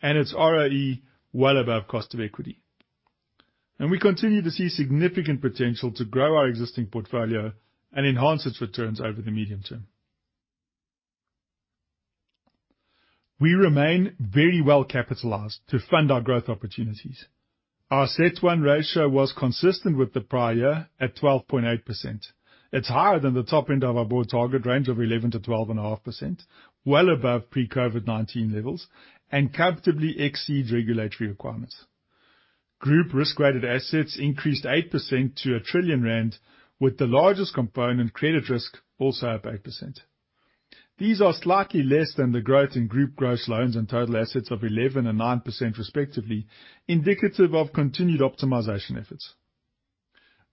and its ROE well above cost of equity. We continue to see significant potential to grow our existing portfolio and enhance its returns over the medium-term. We remain very well capitalized to fund our growth opportunities. Our CET1 ratio was consistent with the prior year at 12.8%. It's higher than the top end of our board target range of 11%-12.5%, well above pre-COVID-19 levels, and comfortably exceeds regulatory requirements. Group risk-weighted assets increased 8% to 1 trillion rand, with the largest component, credit risk, also up 8%. These are slightly less than the growth in group gross loans and total assets of 11% and 9% respectively, indicative of continued optimization efforts.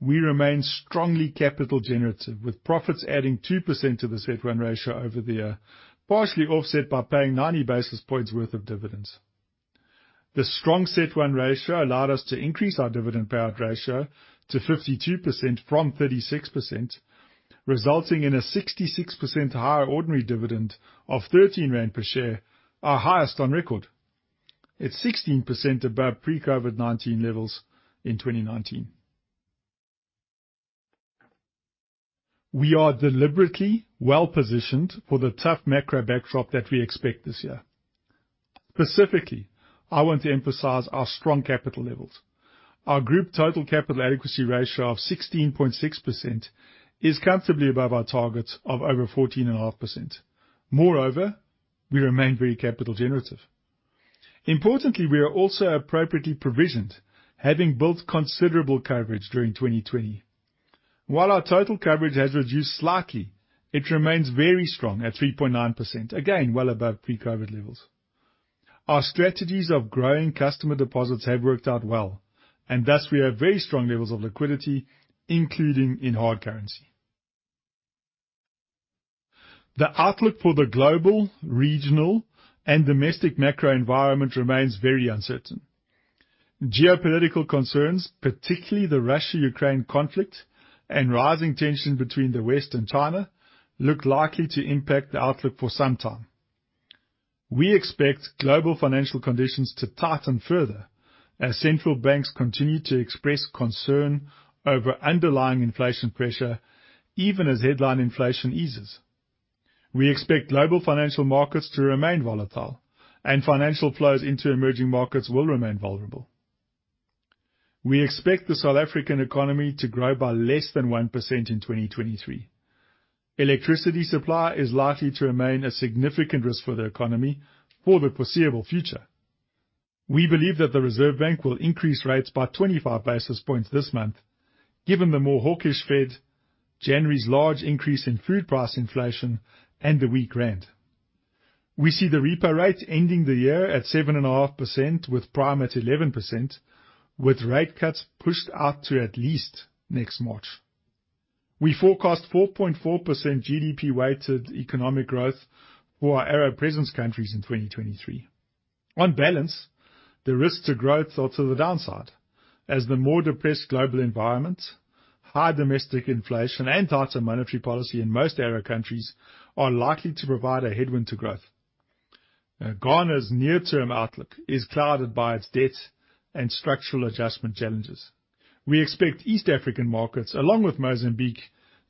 We remain strongly capital generative, with profits adding 2% to the CET1 ratio over the year, partially offset by paying 90 basis points worth of dividends. The strong CET1 ratio allowed us to increase our dividend payout ratio to 52% from 36%, resulting in a 66% higher ordinary dividend of 13 rand per share, our highest on record. It's 16% above pre-COVID-19 levels in 2019. We are deliberately well-positioned for the tough macro backdrop that we expect this year. Specifically, I want to emphasize our strong capital levels. Our group total capital adequacy ratio of 16.6% is comfortably above our target of over 14.5%. Moreover, we remain very capital generative. Importantly, we are also appropriately provisioned, having built considerable coverage during 2020. While our total coverage has reduced slightly, it remains very strong at 3.9%, again, well above pre-COVID levels. Our strategies of growing customer deposits have worked out well, and thus we have very strong levels of liquidity, including in hard currency. The outlook for the global, regional, and domestic macro environment remains very uncertain. Geopolitical concerns, particularly the Russia-Ukraine conflict and rising tension between the West and China, look likely to impact the outlook for some time. We expect global financial conditions to tighten further as central banks continue to express concern over underlying inflation pressure, even as headline inflation eases. We expect global financial markets to remain volatile and financial flows into emerging markets will remain vulnerable. We expect the South African economy to grow by less than 1% in 2023. Electricity supply is likely to remain a significant risk for the economy for the foreseeable future. We believe that the Reserve Bank will increase rates by 25 basis points this month, given the more hawkish Fed, January's large increase in food price inflation, and the weak rand. We see the repo rate ending the year at 7.5%, with Prime at 11%, with rate cuts pushed out to at least next March. We forecast 4.4% GDP weighted economic growth for our ARO presence countries in 2023. On balance, the risks to growth are to the downside, as the more depressed global environment, high domestic inflation, and tighter monetary policy in most ARO countries are likely to provide a headwind to growth. Ghana's near-term outlook is clouded by its debt and structural adjustment challenges. We expect East African markets, along with Mozambique,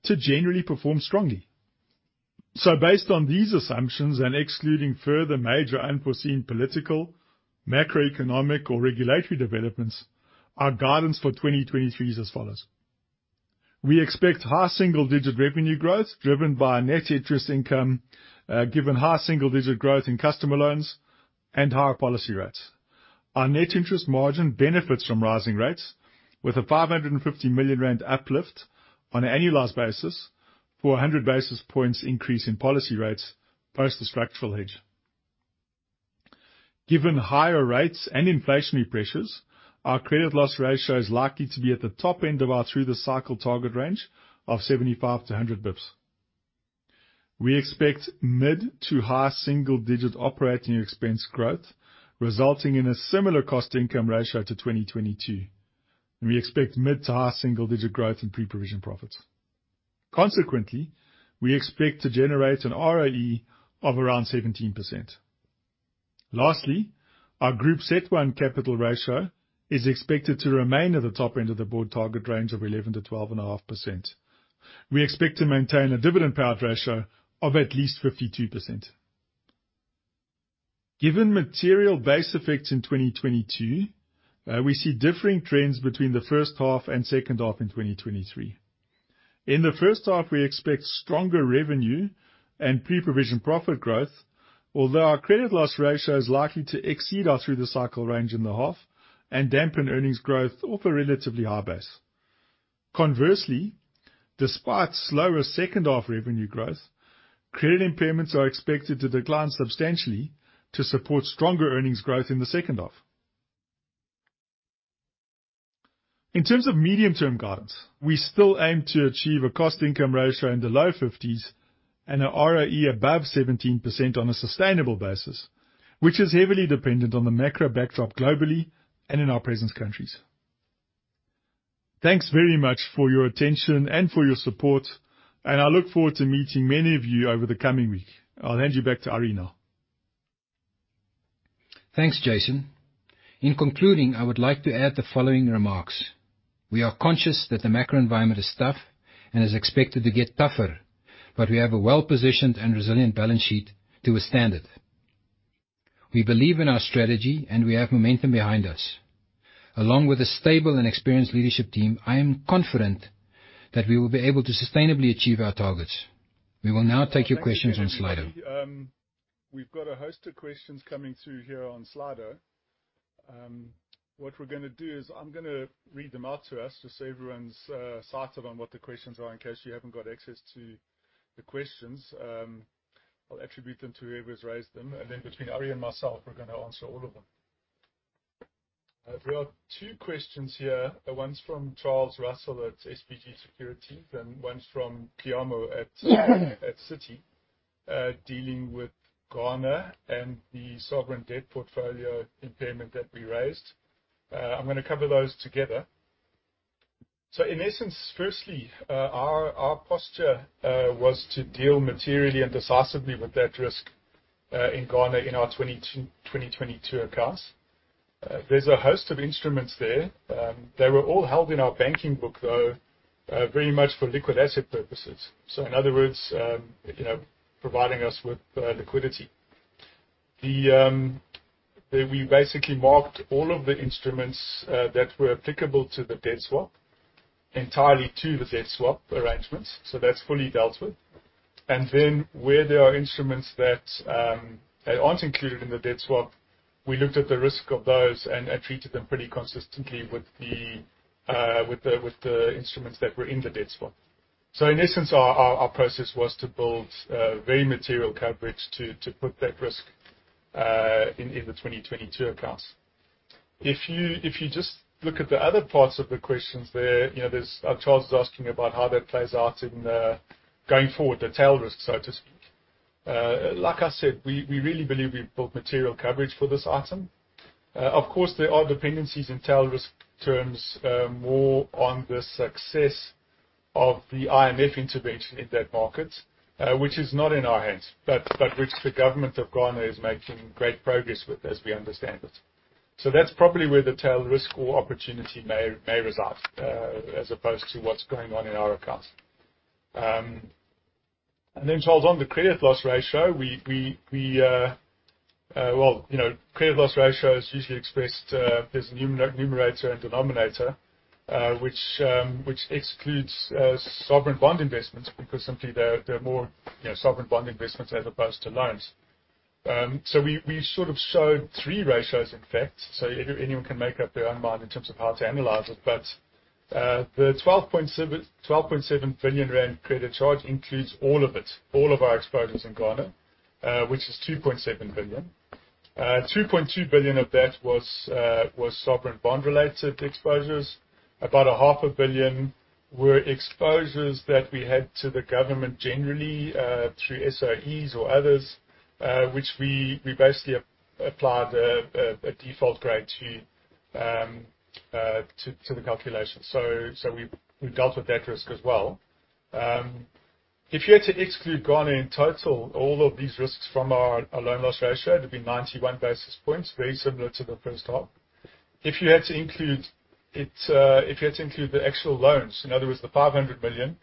to generally perform strongly. Based on these assumptions, and excluding further major unforeseen political, macroeconomic, or regulatory developments, our guidance for 2023 is as follows: We expect high single-digit revenue growth driven by net interest income, given high single-digit growth in customer loans and higher policy rates. Our net interest margin benefits from rising rates with a 550 million rand uplift on an annualized basis for a 100 basis points increase in policy rates post the structural hedge. Given higher rates and inflationary pressures, our credit loss ratio is likely to be at the top end of our through the cycle target range of 75-100 bps. We expect mid-to-high single-digit operating expense growth, resulting in a similar cost-income ratio to 2022, and we expect mid-to-high single-digit growth in pre-provision profits. Consequently, we expect to generate an ROE of around 17%. Lastly, our Group CET1 capital ratio is expected to remain at the top end of the board target range of 11%-12.5%. We expect to maintain a dividend payout ratio of at least 52%. Given material base effects in 2022, we see differing trends between the first half and second half in 2023. In the first half, we expect stronger revenue and pre-provision profit growth, although our credit loss ratio is likely to exceed our through the cycle range in the half and dampen earnings growth off a relatively high base. Conversely, despite slower second half revenue growth, credit impairments are expected to decline substantially to support stronger earnings growth in the second half. In terms of medium-term guidance, we still aim to achieve a cost income ratio in the low fifties and an ROE above 17% on a sustainable basis, which is heavily dependent on the macro backdrop globally and in our presence countries. Thanks very much for your attention and for your support, and I look forward to meeting many of you over the coming week. I'll hand you back to Arrie now. Thanks, Jason. In concluding, I would like to add the following remarks. We are conscious that the macro environment is tough and is expected to get tougher, but we have a well-positioned and resilient balance sheet to withstand it. We believe in our strategy, and we have momentum behind us. Along with a stable and experienced leadership team, I am confident that we will be able to sustainably achieve our targets. We will now take your questions on Slido. We've got a host of questions coming through here on Slido. What we're going to do is I'm going to read them out to us, just so everyone's sighted on what the questions are in case you haven't got access to the questions. I'll attribute them to whoever's raised them. Between Arrie and myself, we're going to answer all of them. I've brought two questions here. One's from Charles Russell at SBG Securities and one's from Kian at Citi, dealing with Ghana and the sovereign debt portfolio impairment that we raised. I'm going to cover those together. In essence, firstly, our posture was to deal materially and decisively with that risk in Ghana in our 2022 accounts. There's a host of instruments there. They were all held in our banking book, though, very much for liquid asset purposes. In other words, you know, providing us with liquidity. We basically marked all of the instruments that were applicable to the debt swap entirely to the debt swap arrangements. That's fully dealt with. Where there are instruments that they aren't included in the debt swap, we looked at the risk of those and treated them pretty consistently with the instruments that were in the debt swap. In essence, our process was to build very material coverage to put that risk in the 2022 accounts. If you just look at the other parts of the questions there, you know, there's... Charles is asking about how that plays out in going forward, the tail risk, so to speak. Like I said, we really believe we've built material coverage for this item. Of course, there are dependencies in tail risk terms, more on the success of the IMF intervention in that market, which is not in our hands, but which the government of Ghana is making great progress with, as we understand it. That's probably where the tail risk or opportunity may result as opposed to what's going on in our accounts. Then Charles, on the credit loss ratio, we, well, you know, credit loss ratio is usually expressed, there's a numerator and denominator, which excludes sovereign bond investments because simply they're more, you know, sovereign bond investments as opposed to loans. We sort of showed three ratios, in fact, so anyone can make up their own mind in terms of how to analyze it. The 12.7 billion rand credit charge includes all of our exposures in Ghana, which is 2.7 billion. 2.2 billion of that was sovereign bond related exposures. About 500 million were exposures that we had to the government generally, through SOEs or others, which we basically applied a default grade to the calculation. We dealt with that risk as well. If you had to exclude Ghana in total, all of these risks from our loan loss ratio, it'd be 91 basis points, very similar to the first half. If you had to include it, if you had to include the actual loans, in other words, the 500 million,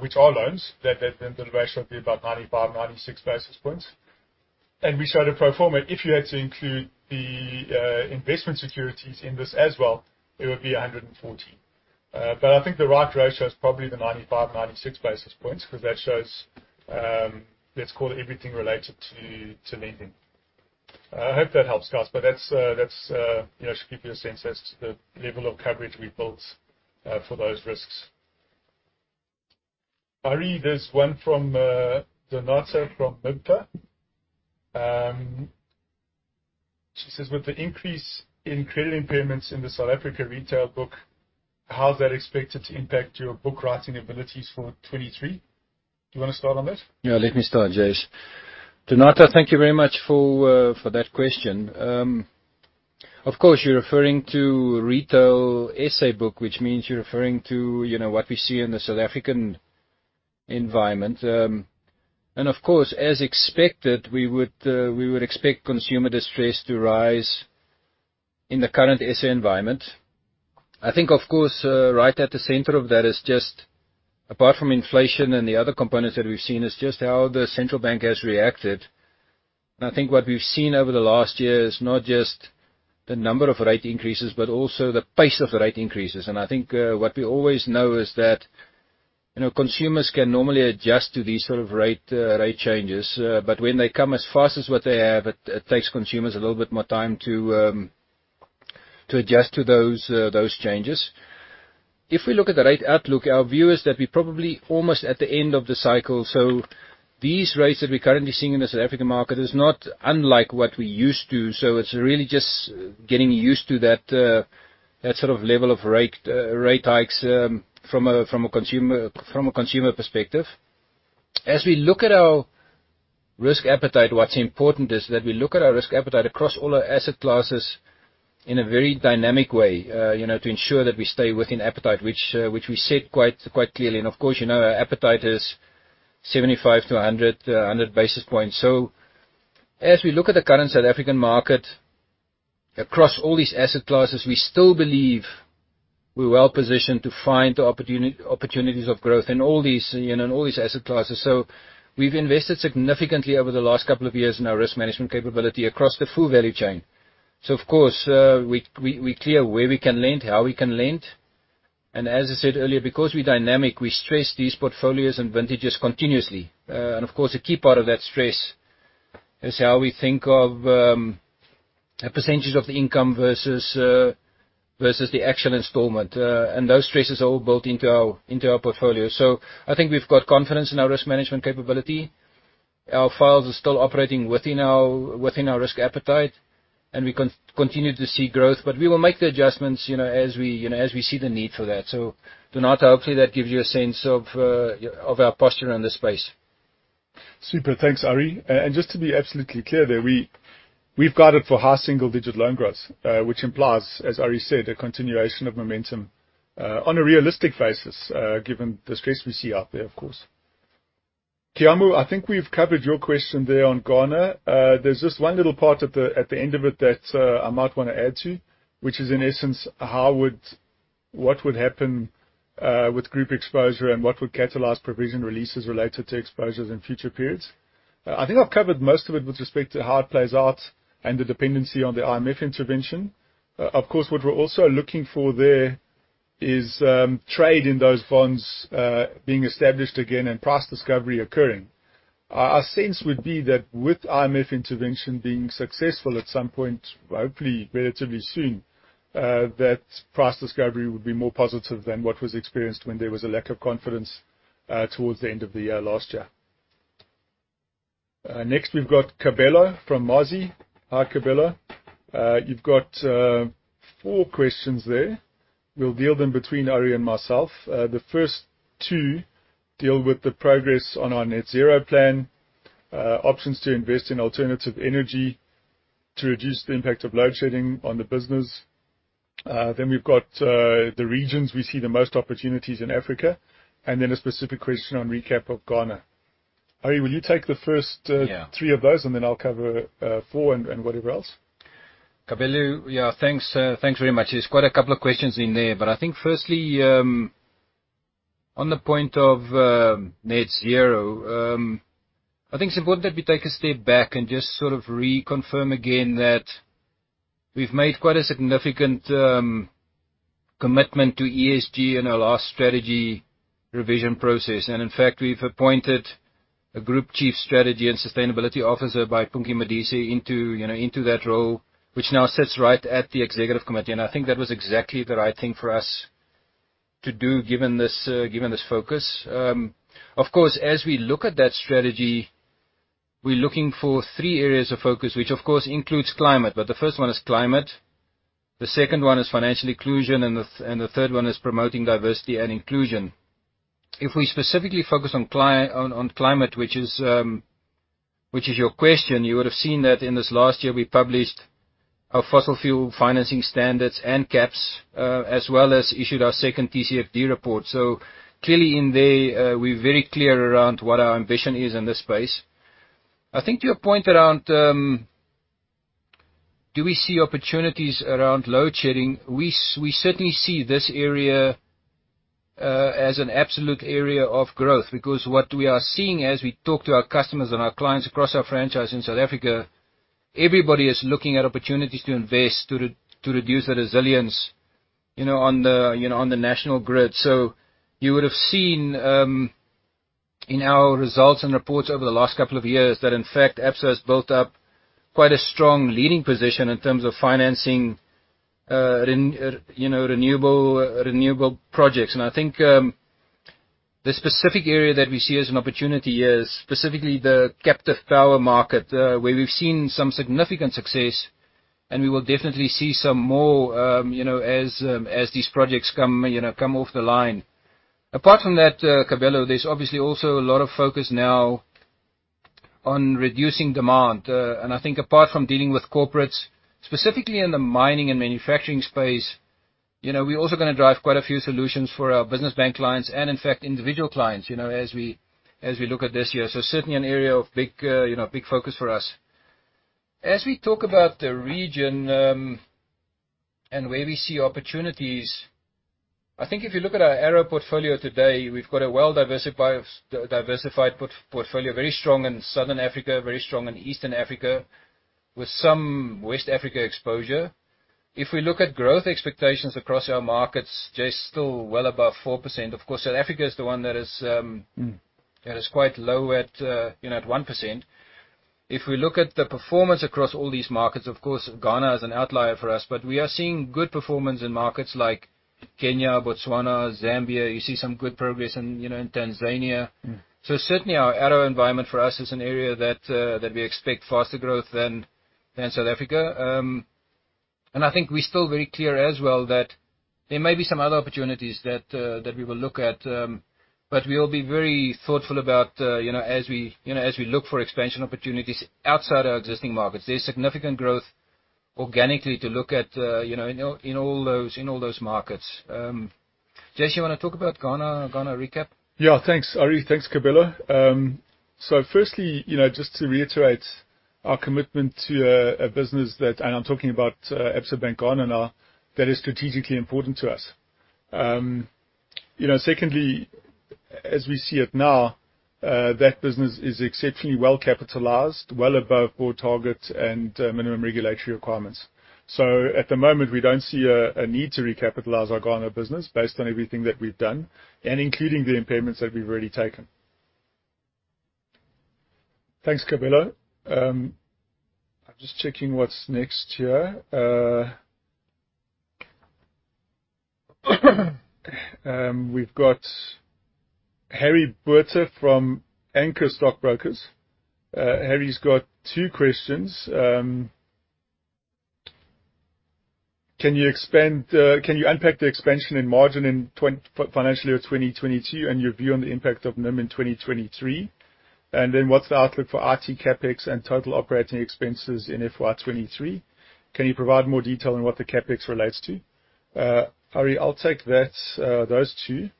which are loans, the ratio would be about 95, 96 basis points. We showed a pro forma. If you had to include the investment securities in this as well, it would be 140 basis points. I think the right ratio is probably the 95, 96 basis points, 'cause that shows, let's call it everything related to lending. I hope that helps, guys, that's, you know, should give you a sense. That's the level of coverage we built for those risks. I read there's one from [Donata from Mipta]. She says, "With the increase in credit impairments in the South Africa retail book, how is that expected to impact your book writing abilities for 2023?" Do you want to start on that? Yeah, let me start, Jason. Donata, thank you very much for that question. Of course, you're referring to retail SA book, which means you're referring to, you know, what we see in the South African environment. Of course, as expected, we would expect consumer distress to rise in the current SA environment. I think, of course, right at the center of that is just apart from inflation and the other components that we've seen, is just how the central bank has reacted. I think what we've seen over the last year is not just the number of rate increases, but also the pace of rate increases. I think, what we always know is that, you know, consumers can normally adjust to these sort of rate changes, but when they come as fast as what they have, it takes consumers a little bit more time to adjust to those changes. If we look at the rate outlook, our view is that we're probably almost at the end of the cycle. These rates that we're currently seeing in the South African market is not unlike what we're used to. It's really just getting used to that sort of level of rate hikes, from a consumer perspective. As we look at our risk appetite, what's important is that we look at our risk appetite across all our asset classes in a very dynamic way, you know, to ensure that we stay within appetite, which we said quite clearly. Of course, you know, our appetite is 75-100 basis points. As we look at the current South African market across all these asset classes, we still believe we're well-positioned to find the opportunities of growth in all these, you know, in all these asset classes. We've invested significantly over the last couple of years in our risk management capability across the full value chain. Of course, we clear where we can lend, how we can lend. And as I said earlier, because we're dynamic, we stress these portfolios and vintages continuously. Of course, a key part of that stress is how we think of percentages of the income versus versus the actual installment. Those stresses are all built into our portfolio. I think we've got confidence in our risk management capability. Our files are still operating within our risk appetite, and we continue to see growth. We will make the adjustments, you know, as we see the need for that. [Donata], hopefully that gives you a sense of our posture in this space. Super. Thanks, Arrie. Just to be absolutely clear there, we've guided for high single-digit loan growth, which implies, as Arrie said, a continuation of momentum, on a realistic basis, given the stress we see out there, of course. Kiamu, I think we've covered your question there on Ghana. There's just one little part at the end of it that I might want to add to, which is, in essence, what would happen with group exposure and what would catalyze provision releases related to exposures in future periods. I think I've covered most of it with respect to how it plays out and the dependency on the IMF intervention. Of course, what we're also looking for there is trade in those bonds being established again and price discovery occurring. Our sense would be that with IMF intervention being successful at some point, hopefully relatively soon, that price discovery would be more positive than what was experienced when there was a lack of confidence towards the end of the year last year. Next, we've got Kabelo from Mazi. Hi, Kabelo. You've got four questions there. We'll deal them between Arrie and myself. The first two deal with the progress on our net zero plan, options to invest in alternative energy to reduce the impact of load shedding on the business. We've got the regions we see the most opportunities in Africa, and then a specific question on recap of Ghana. Arrie, will you take the first three of those, and then I'll cover, four and whatever else. Kabelo, thanks very much. There's quite a couple of questions in there. I think firstly, on the point of net zero, I think it's important that we take a step back and just sort of reconfirm again that we've made quite a significant commitment to ESG in our last strategy revision process. In fact, we've appointed a Group Chief Strategy and Sustainability Officer by Punki Modise into that role, which now sits right at the executive committee. I think that was exactly the right thing for us to do, given this given this focus. Of course, as we look at that strategy, we're looking for three areas of focus, which of course includes climate. The first one is climate, the second one is financial inclusion, and the third one is promoting diversity and inclusion. If we specifically focus on climate, which is your question, you would have seen that in this last year, we published our fossil fuel financing standards and caps, as well as issued our second TCFD report. Clearly in there, we're very clear around what our ambition is in this space. I think to your point around, do we see opportunities around load shedding, we certainly see this area as an absolute area of growth. What we are seeing as we talk to our customers and our clients across our franchise in South Africa, everybody is looking at opportunities to invest, to reduce the resilience on the national grid. You would have seen in our results and reports over the last couple of years that, in fact, Absa has built up quite a strong leading position in terms of financing renewable projects. I think the specific area that we see as an opportunity is specifically the captive power market, where we've seen some significant success, and we will definitely see some more as these projects come off the line. Apart from that, Kabelo, there's obviously also a lot of focus now on reducing demand. I think apart from dealing with corporates, specifically in the mining and manufacturing space, you know, we're also going to drive quite a few solutions for our business bank clients and in fact, individual clients, you know, as we look at this year. Certainly an area of big, you know, big focus for us. As we talk about the region, and where we see opportunities, I think if you look at our ARO portfolio today, we've got a well-diversified portfolio, very strong in Southern Africa, very strong in Eastern Africa, with some West Africa exposure. If we look at growth expectations across our markets, Jason's still well above 4%. Of course, South Africa is the one that is, that is quite low you know, at 1%. If we look at the performance across all these markets, of course, Ghana is an outlier for us, but we are seeing good performance in markets like Kenya, Botswana, Zambia. You see some good progress in, you know, in Tanzania. Certainly our ARO environment for us is an area that we expect faster growth than South Africa. I think we're still very clear as well that there may be some other opportunities that we will look at, we'll be very thoughtful about, you know, as we look for expansion opportunities outside our existing markets. There's significant growth organically to look at, you know, in all those markets. Jason, do you want to talk about Ghana recap? Yeah. Thanks, Arrie. Thanks, [Kabelo]. Firstly, you know, just to reiterate our commitment to a business that, and I'm talking about Absa Bank Ghana now, that is strategically important to us. Secondly, as we see it now, that business is exceptionally well-capitalized, well above board targets and minimum regulatory requirements. At the moment, we don't see a need to recapitalize our Ghana business based on everything that we've done and including the impairments that we've already taken. Thanks, [Kabelo]. I'm just checking what's next here. We've got Harry Botha from Anchor Stockbrokers. Harry's got two questions. Can you unpack the expansion in margin in financial year 2022, and your view on the impact of NIM in 2023? What's the outlook for IT CapEx and total operating expenses in FY 23? Can you provide more detail on what the CapEx relates to? Harry, I'll take those two.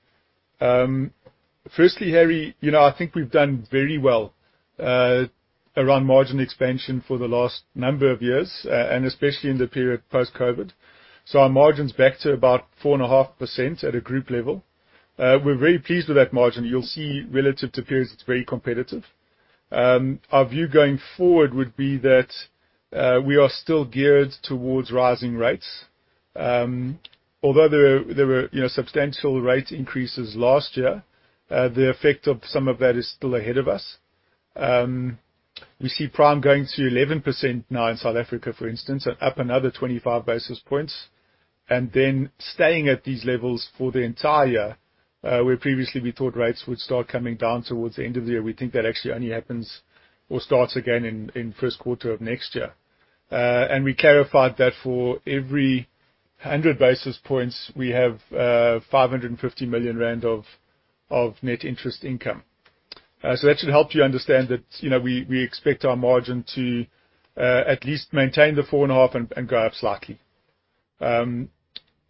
Firstly, Harry, you know, I think we've done very well around margin expansion for the last number of years, and especially in the period post-COVID. Our margin's back to about 4.5% at a group level. We're very pleased with that margin. You'll see relative to peers, it's very competitive. Our view going forward would be that we are still geared towards rising rates. Although there were, you know, substantial rate increases last year, the effect of some of that is still ahead of us. We see Prime going to 11% now in South Africa, for instance, up another 25 basis points, then staying at these levels for the entire year. Where previously we thought rates would start coming down towards the end of the year. We think that actually only happens or starts again in first quarter of next year. We clarified that for every 100 basis points, we have 550 million rand of net interest income. That should help you understand that, you know, we expect our margin to at least maintain the 4.5 and go up slightly.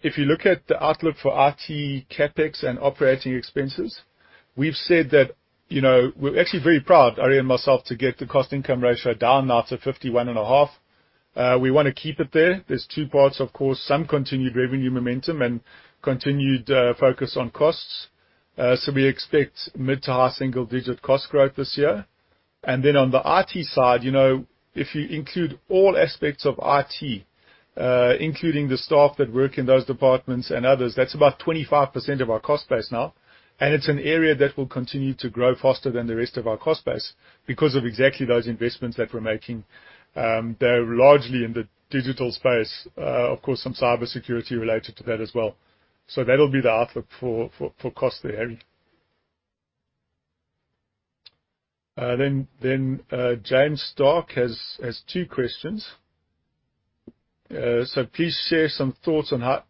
If you look at the outlook for IT CapEx and operating expenses, we've said that, you know, we're actually very proud, Arrie and myself, to get the cost income ratio down now to 51.5%. We want to keep it there. There's two parts, of course. Some continued revenue momentum and continued focus on costs. We expect mid to high single digit cost growth this year. On the IT side, you know, if you include all aspects of IT, including the staff that work in those departments and others, that's about 25% of our cost base now. It's an area that will continue to grow faster than the rest of our cost base because of exactly those investments that we're making. They're largely in the digital space, of course some cybersecurity related to that as well. That'll be the outlook for cost there, Harry. James Starke has two questions. Please share some thoughts on how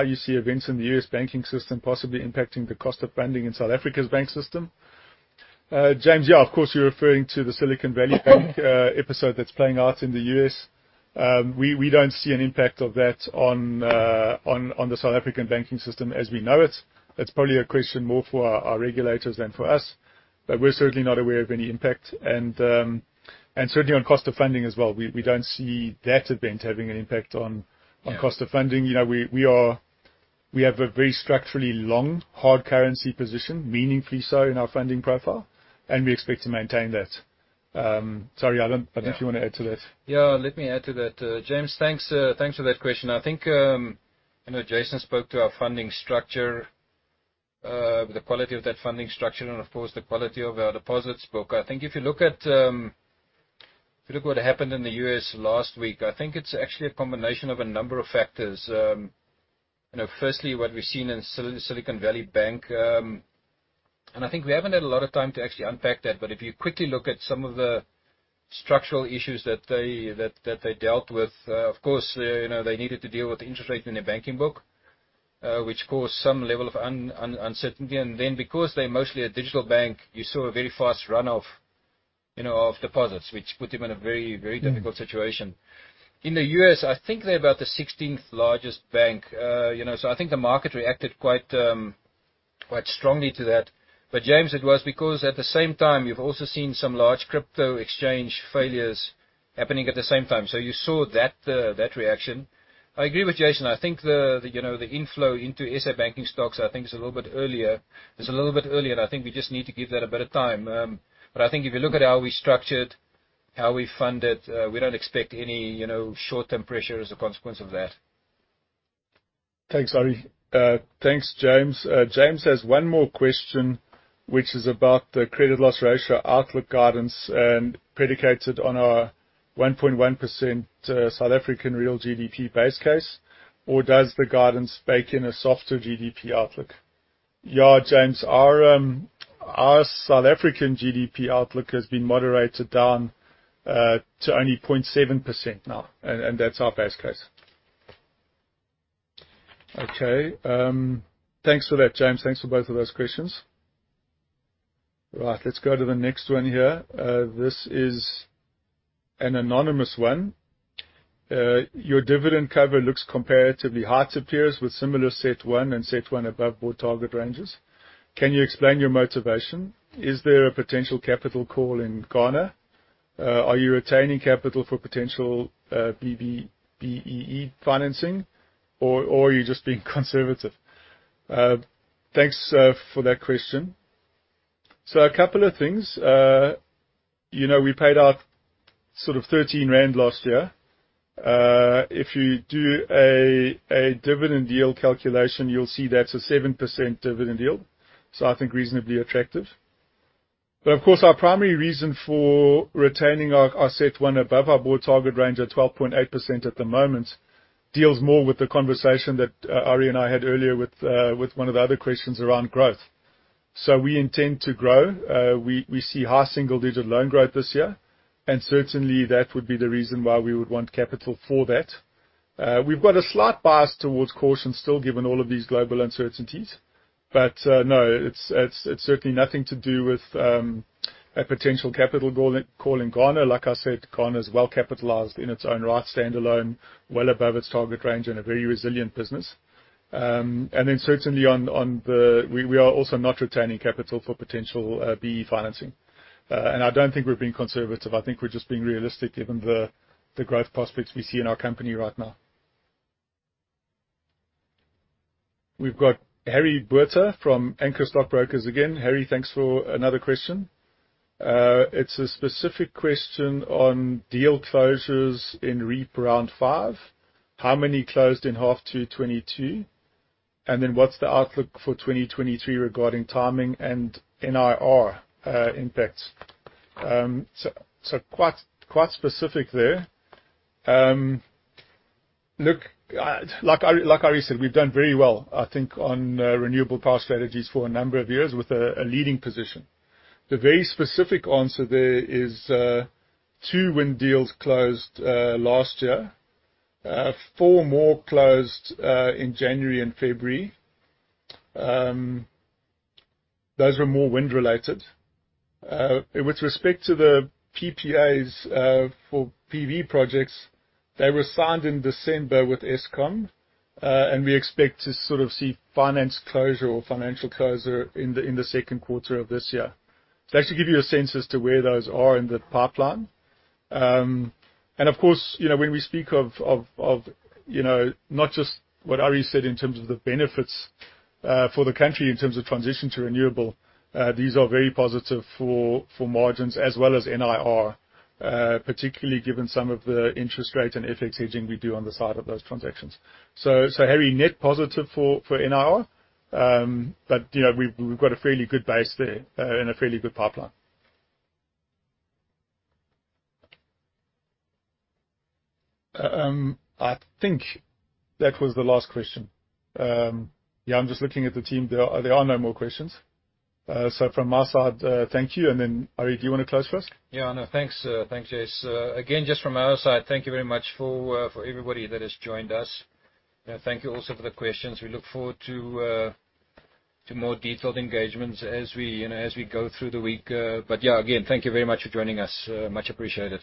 you see events in the U.S. banking system possibly impacting the cost of funding in South Africa's bank system. James, yeah, of course you're referring to the Silicon Valley Bank episode that's playing out in the U.S. We don't see an impact of that on the South African banking system as we know it. That's probably a question more for our regulators than for us. We're certainly not aware of any impact and certainly on cost of funding as well. We don't see that event having an impact on cost of funding. You know, we have a very structurally long hard currency position, meaningfully so in our funding profile, and we expect to maintain that. Sorry, I don't know if you want to add to that? Yeah, let me add to that. James, thanks for that question. I think, you know, Jason spoke to our funding structure, the quality of that funding structure and of course, the quality of our deposits book. I think if you look what happened in the U.S. last week, I think it's actually a combination of a number of factors. You know, firstly, what we've seen in Silicon Valley Bank, and I think we haven't had a lot of time to actually unpack that. If you quickly look at some of the structural issues that they dealt with, of course, you know, they needed to deal with the interest rate in their banking book, which caused some level of uncertainty. Because they're mostly a digital bank, you saw a very fast run off of deposits, which put them in a very, very difficult situation. In the U.S., I think they're about the 16th largest bank. I think the market reacted quite strongly to that. James, it was because at the same time, you've also seen some large crypto exchange failures happening at the same time. You saw that reaction. I agree with Jason. I think the inflow into SA banking stocks, I think is a little bit earlier. It's a little bit earlier. I think we just need to give that a bit of time. I think if you look at how we structured, how we funded, we don't expect any, you know, short-term pressure as a consequence of that. Thanks, Arrie. Thanks, James. James has one more question, which is about the credit loss ratio outlook guidance and predicated on our 1.1%, South African real GDP base case. Does the guidance bake in a softer GDP outlook? Yeah, James. Our South African GDP outlook has been moderated down to only 0.7% now, and that's our base case. Okay. Thanks for that, James. Thanks for both of those questions. Right. Let's go to the next one here. This is an anonymous one. Your dividend cover looks comparatively high to peers with similar CET1 and CET1 above board target ranges. Can you explain your motivation? Is there a potential capital call in Ghana? Are you retaining capital for potential BBEE financing or are you just being conservative? Thanks for that question. A couple of things. You know, we paid out sort of 13 rand last year. If you do a dividend deal calculation, you'll see that's a 7% dividend yield. I think reasonably attractive. Of course, our primary reason for retaining our CET1 above our board target range at 12.8% at the moment deals more with the conversation that Arrie and I had earlier with one of the other questions around growth. We intend to grow. We see high single digit loan growth this year, and certainly that would be the reason why we would want capital for that. We've got a slight bias towards caution still, given all of these global uncertainties. No, it's certainly nothing to do with a potential capital call in Ghana. Like I said, Ghana is well capitalized in its own right, stand alone, well above its target range and a very resilient business. Certainly, we are also not retaining capital for potential BE financing. I don't think we're being conservative. I think we're just being realistic given the growth prospects we see in our company right now. We've got Harry Botha from Anchor Stockbrokers again. Harry, thanks for another question. It's a specific question on deal closures in REIPP Round 5. How many closed in H1 2022? What's the outlook for 2023 regarding timing and NIR impact? Quite specific there. Look, like Arrie said, we've done very well, I think, on renewable power strategies for a number of years with a leading position. The very specific answer there is two wind deals closed last year. Four more closed in January and February. Those were more wind-related. With respect to the PPAs for PV projects, they were signed in December with Eskom, and we expect to sort of see finance closure or financial closure in the second quarter of this year. To actually give you a sense as to where those are in the pipeline. Of course, you know, when we speak of, you know, not just what Arrie said in terms of the benefits, for the country in terms of transition to renewable, these are very positive for margins as well as NIR, particularly given some of the interest rates and FX hedging we do on the side of those transactions. Harry, net positive for NIR. You know, we've got a fairly good base there, and a fairly good pipeline. I think that was the last question. Yeah, I'm just looking at the team. There are no more questions. From our side, thank you. Then, Arrie, do you want to close for us? Yeah, no. Thanks, thanks, Jason. Again, just from our side, thank you very much for everybody that has joined us. Thank you also for the questions. We look forward to more detailed engagements as we, you know, as we go through the week. Yeah, again, thank you very much for joining us. Much appreciated.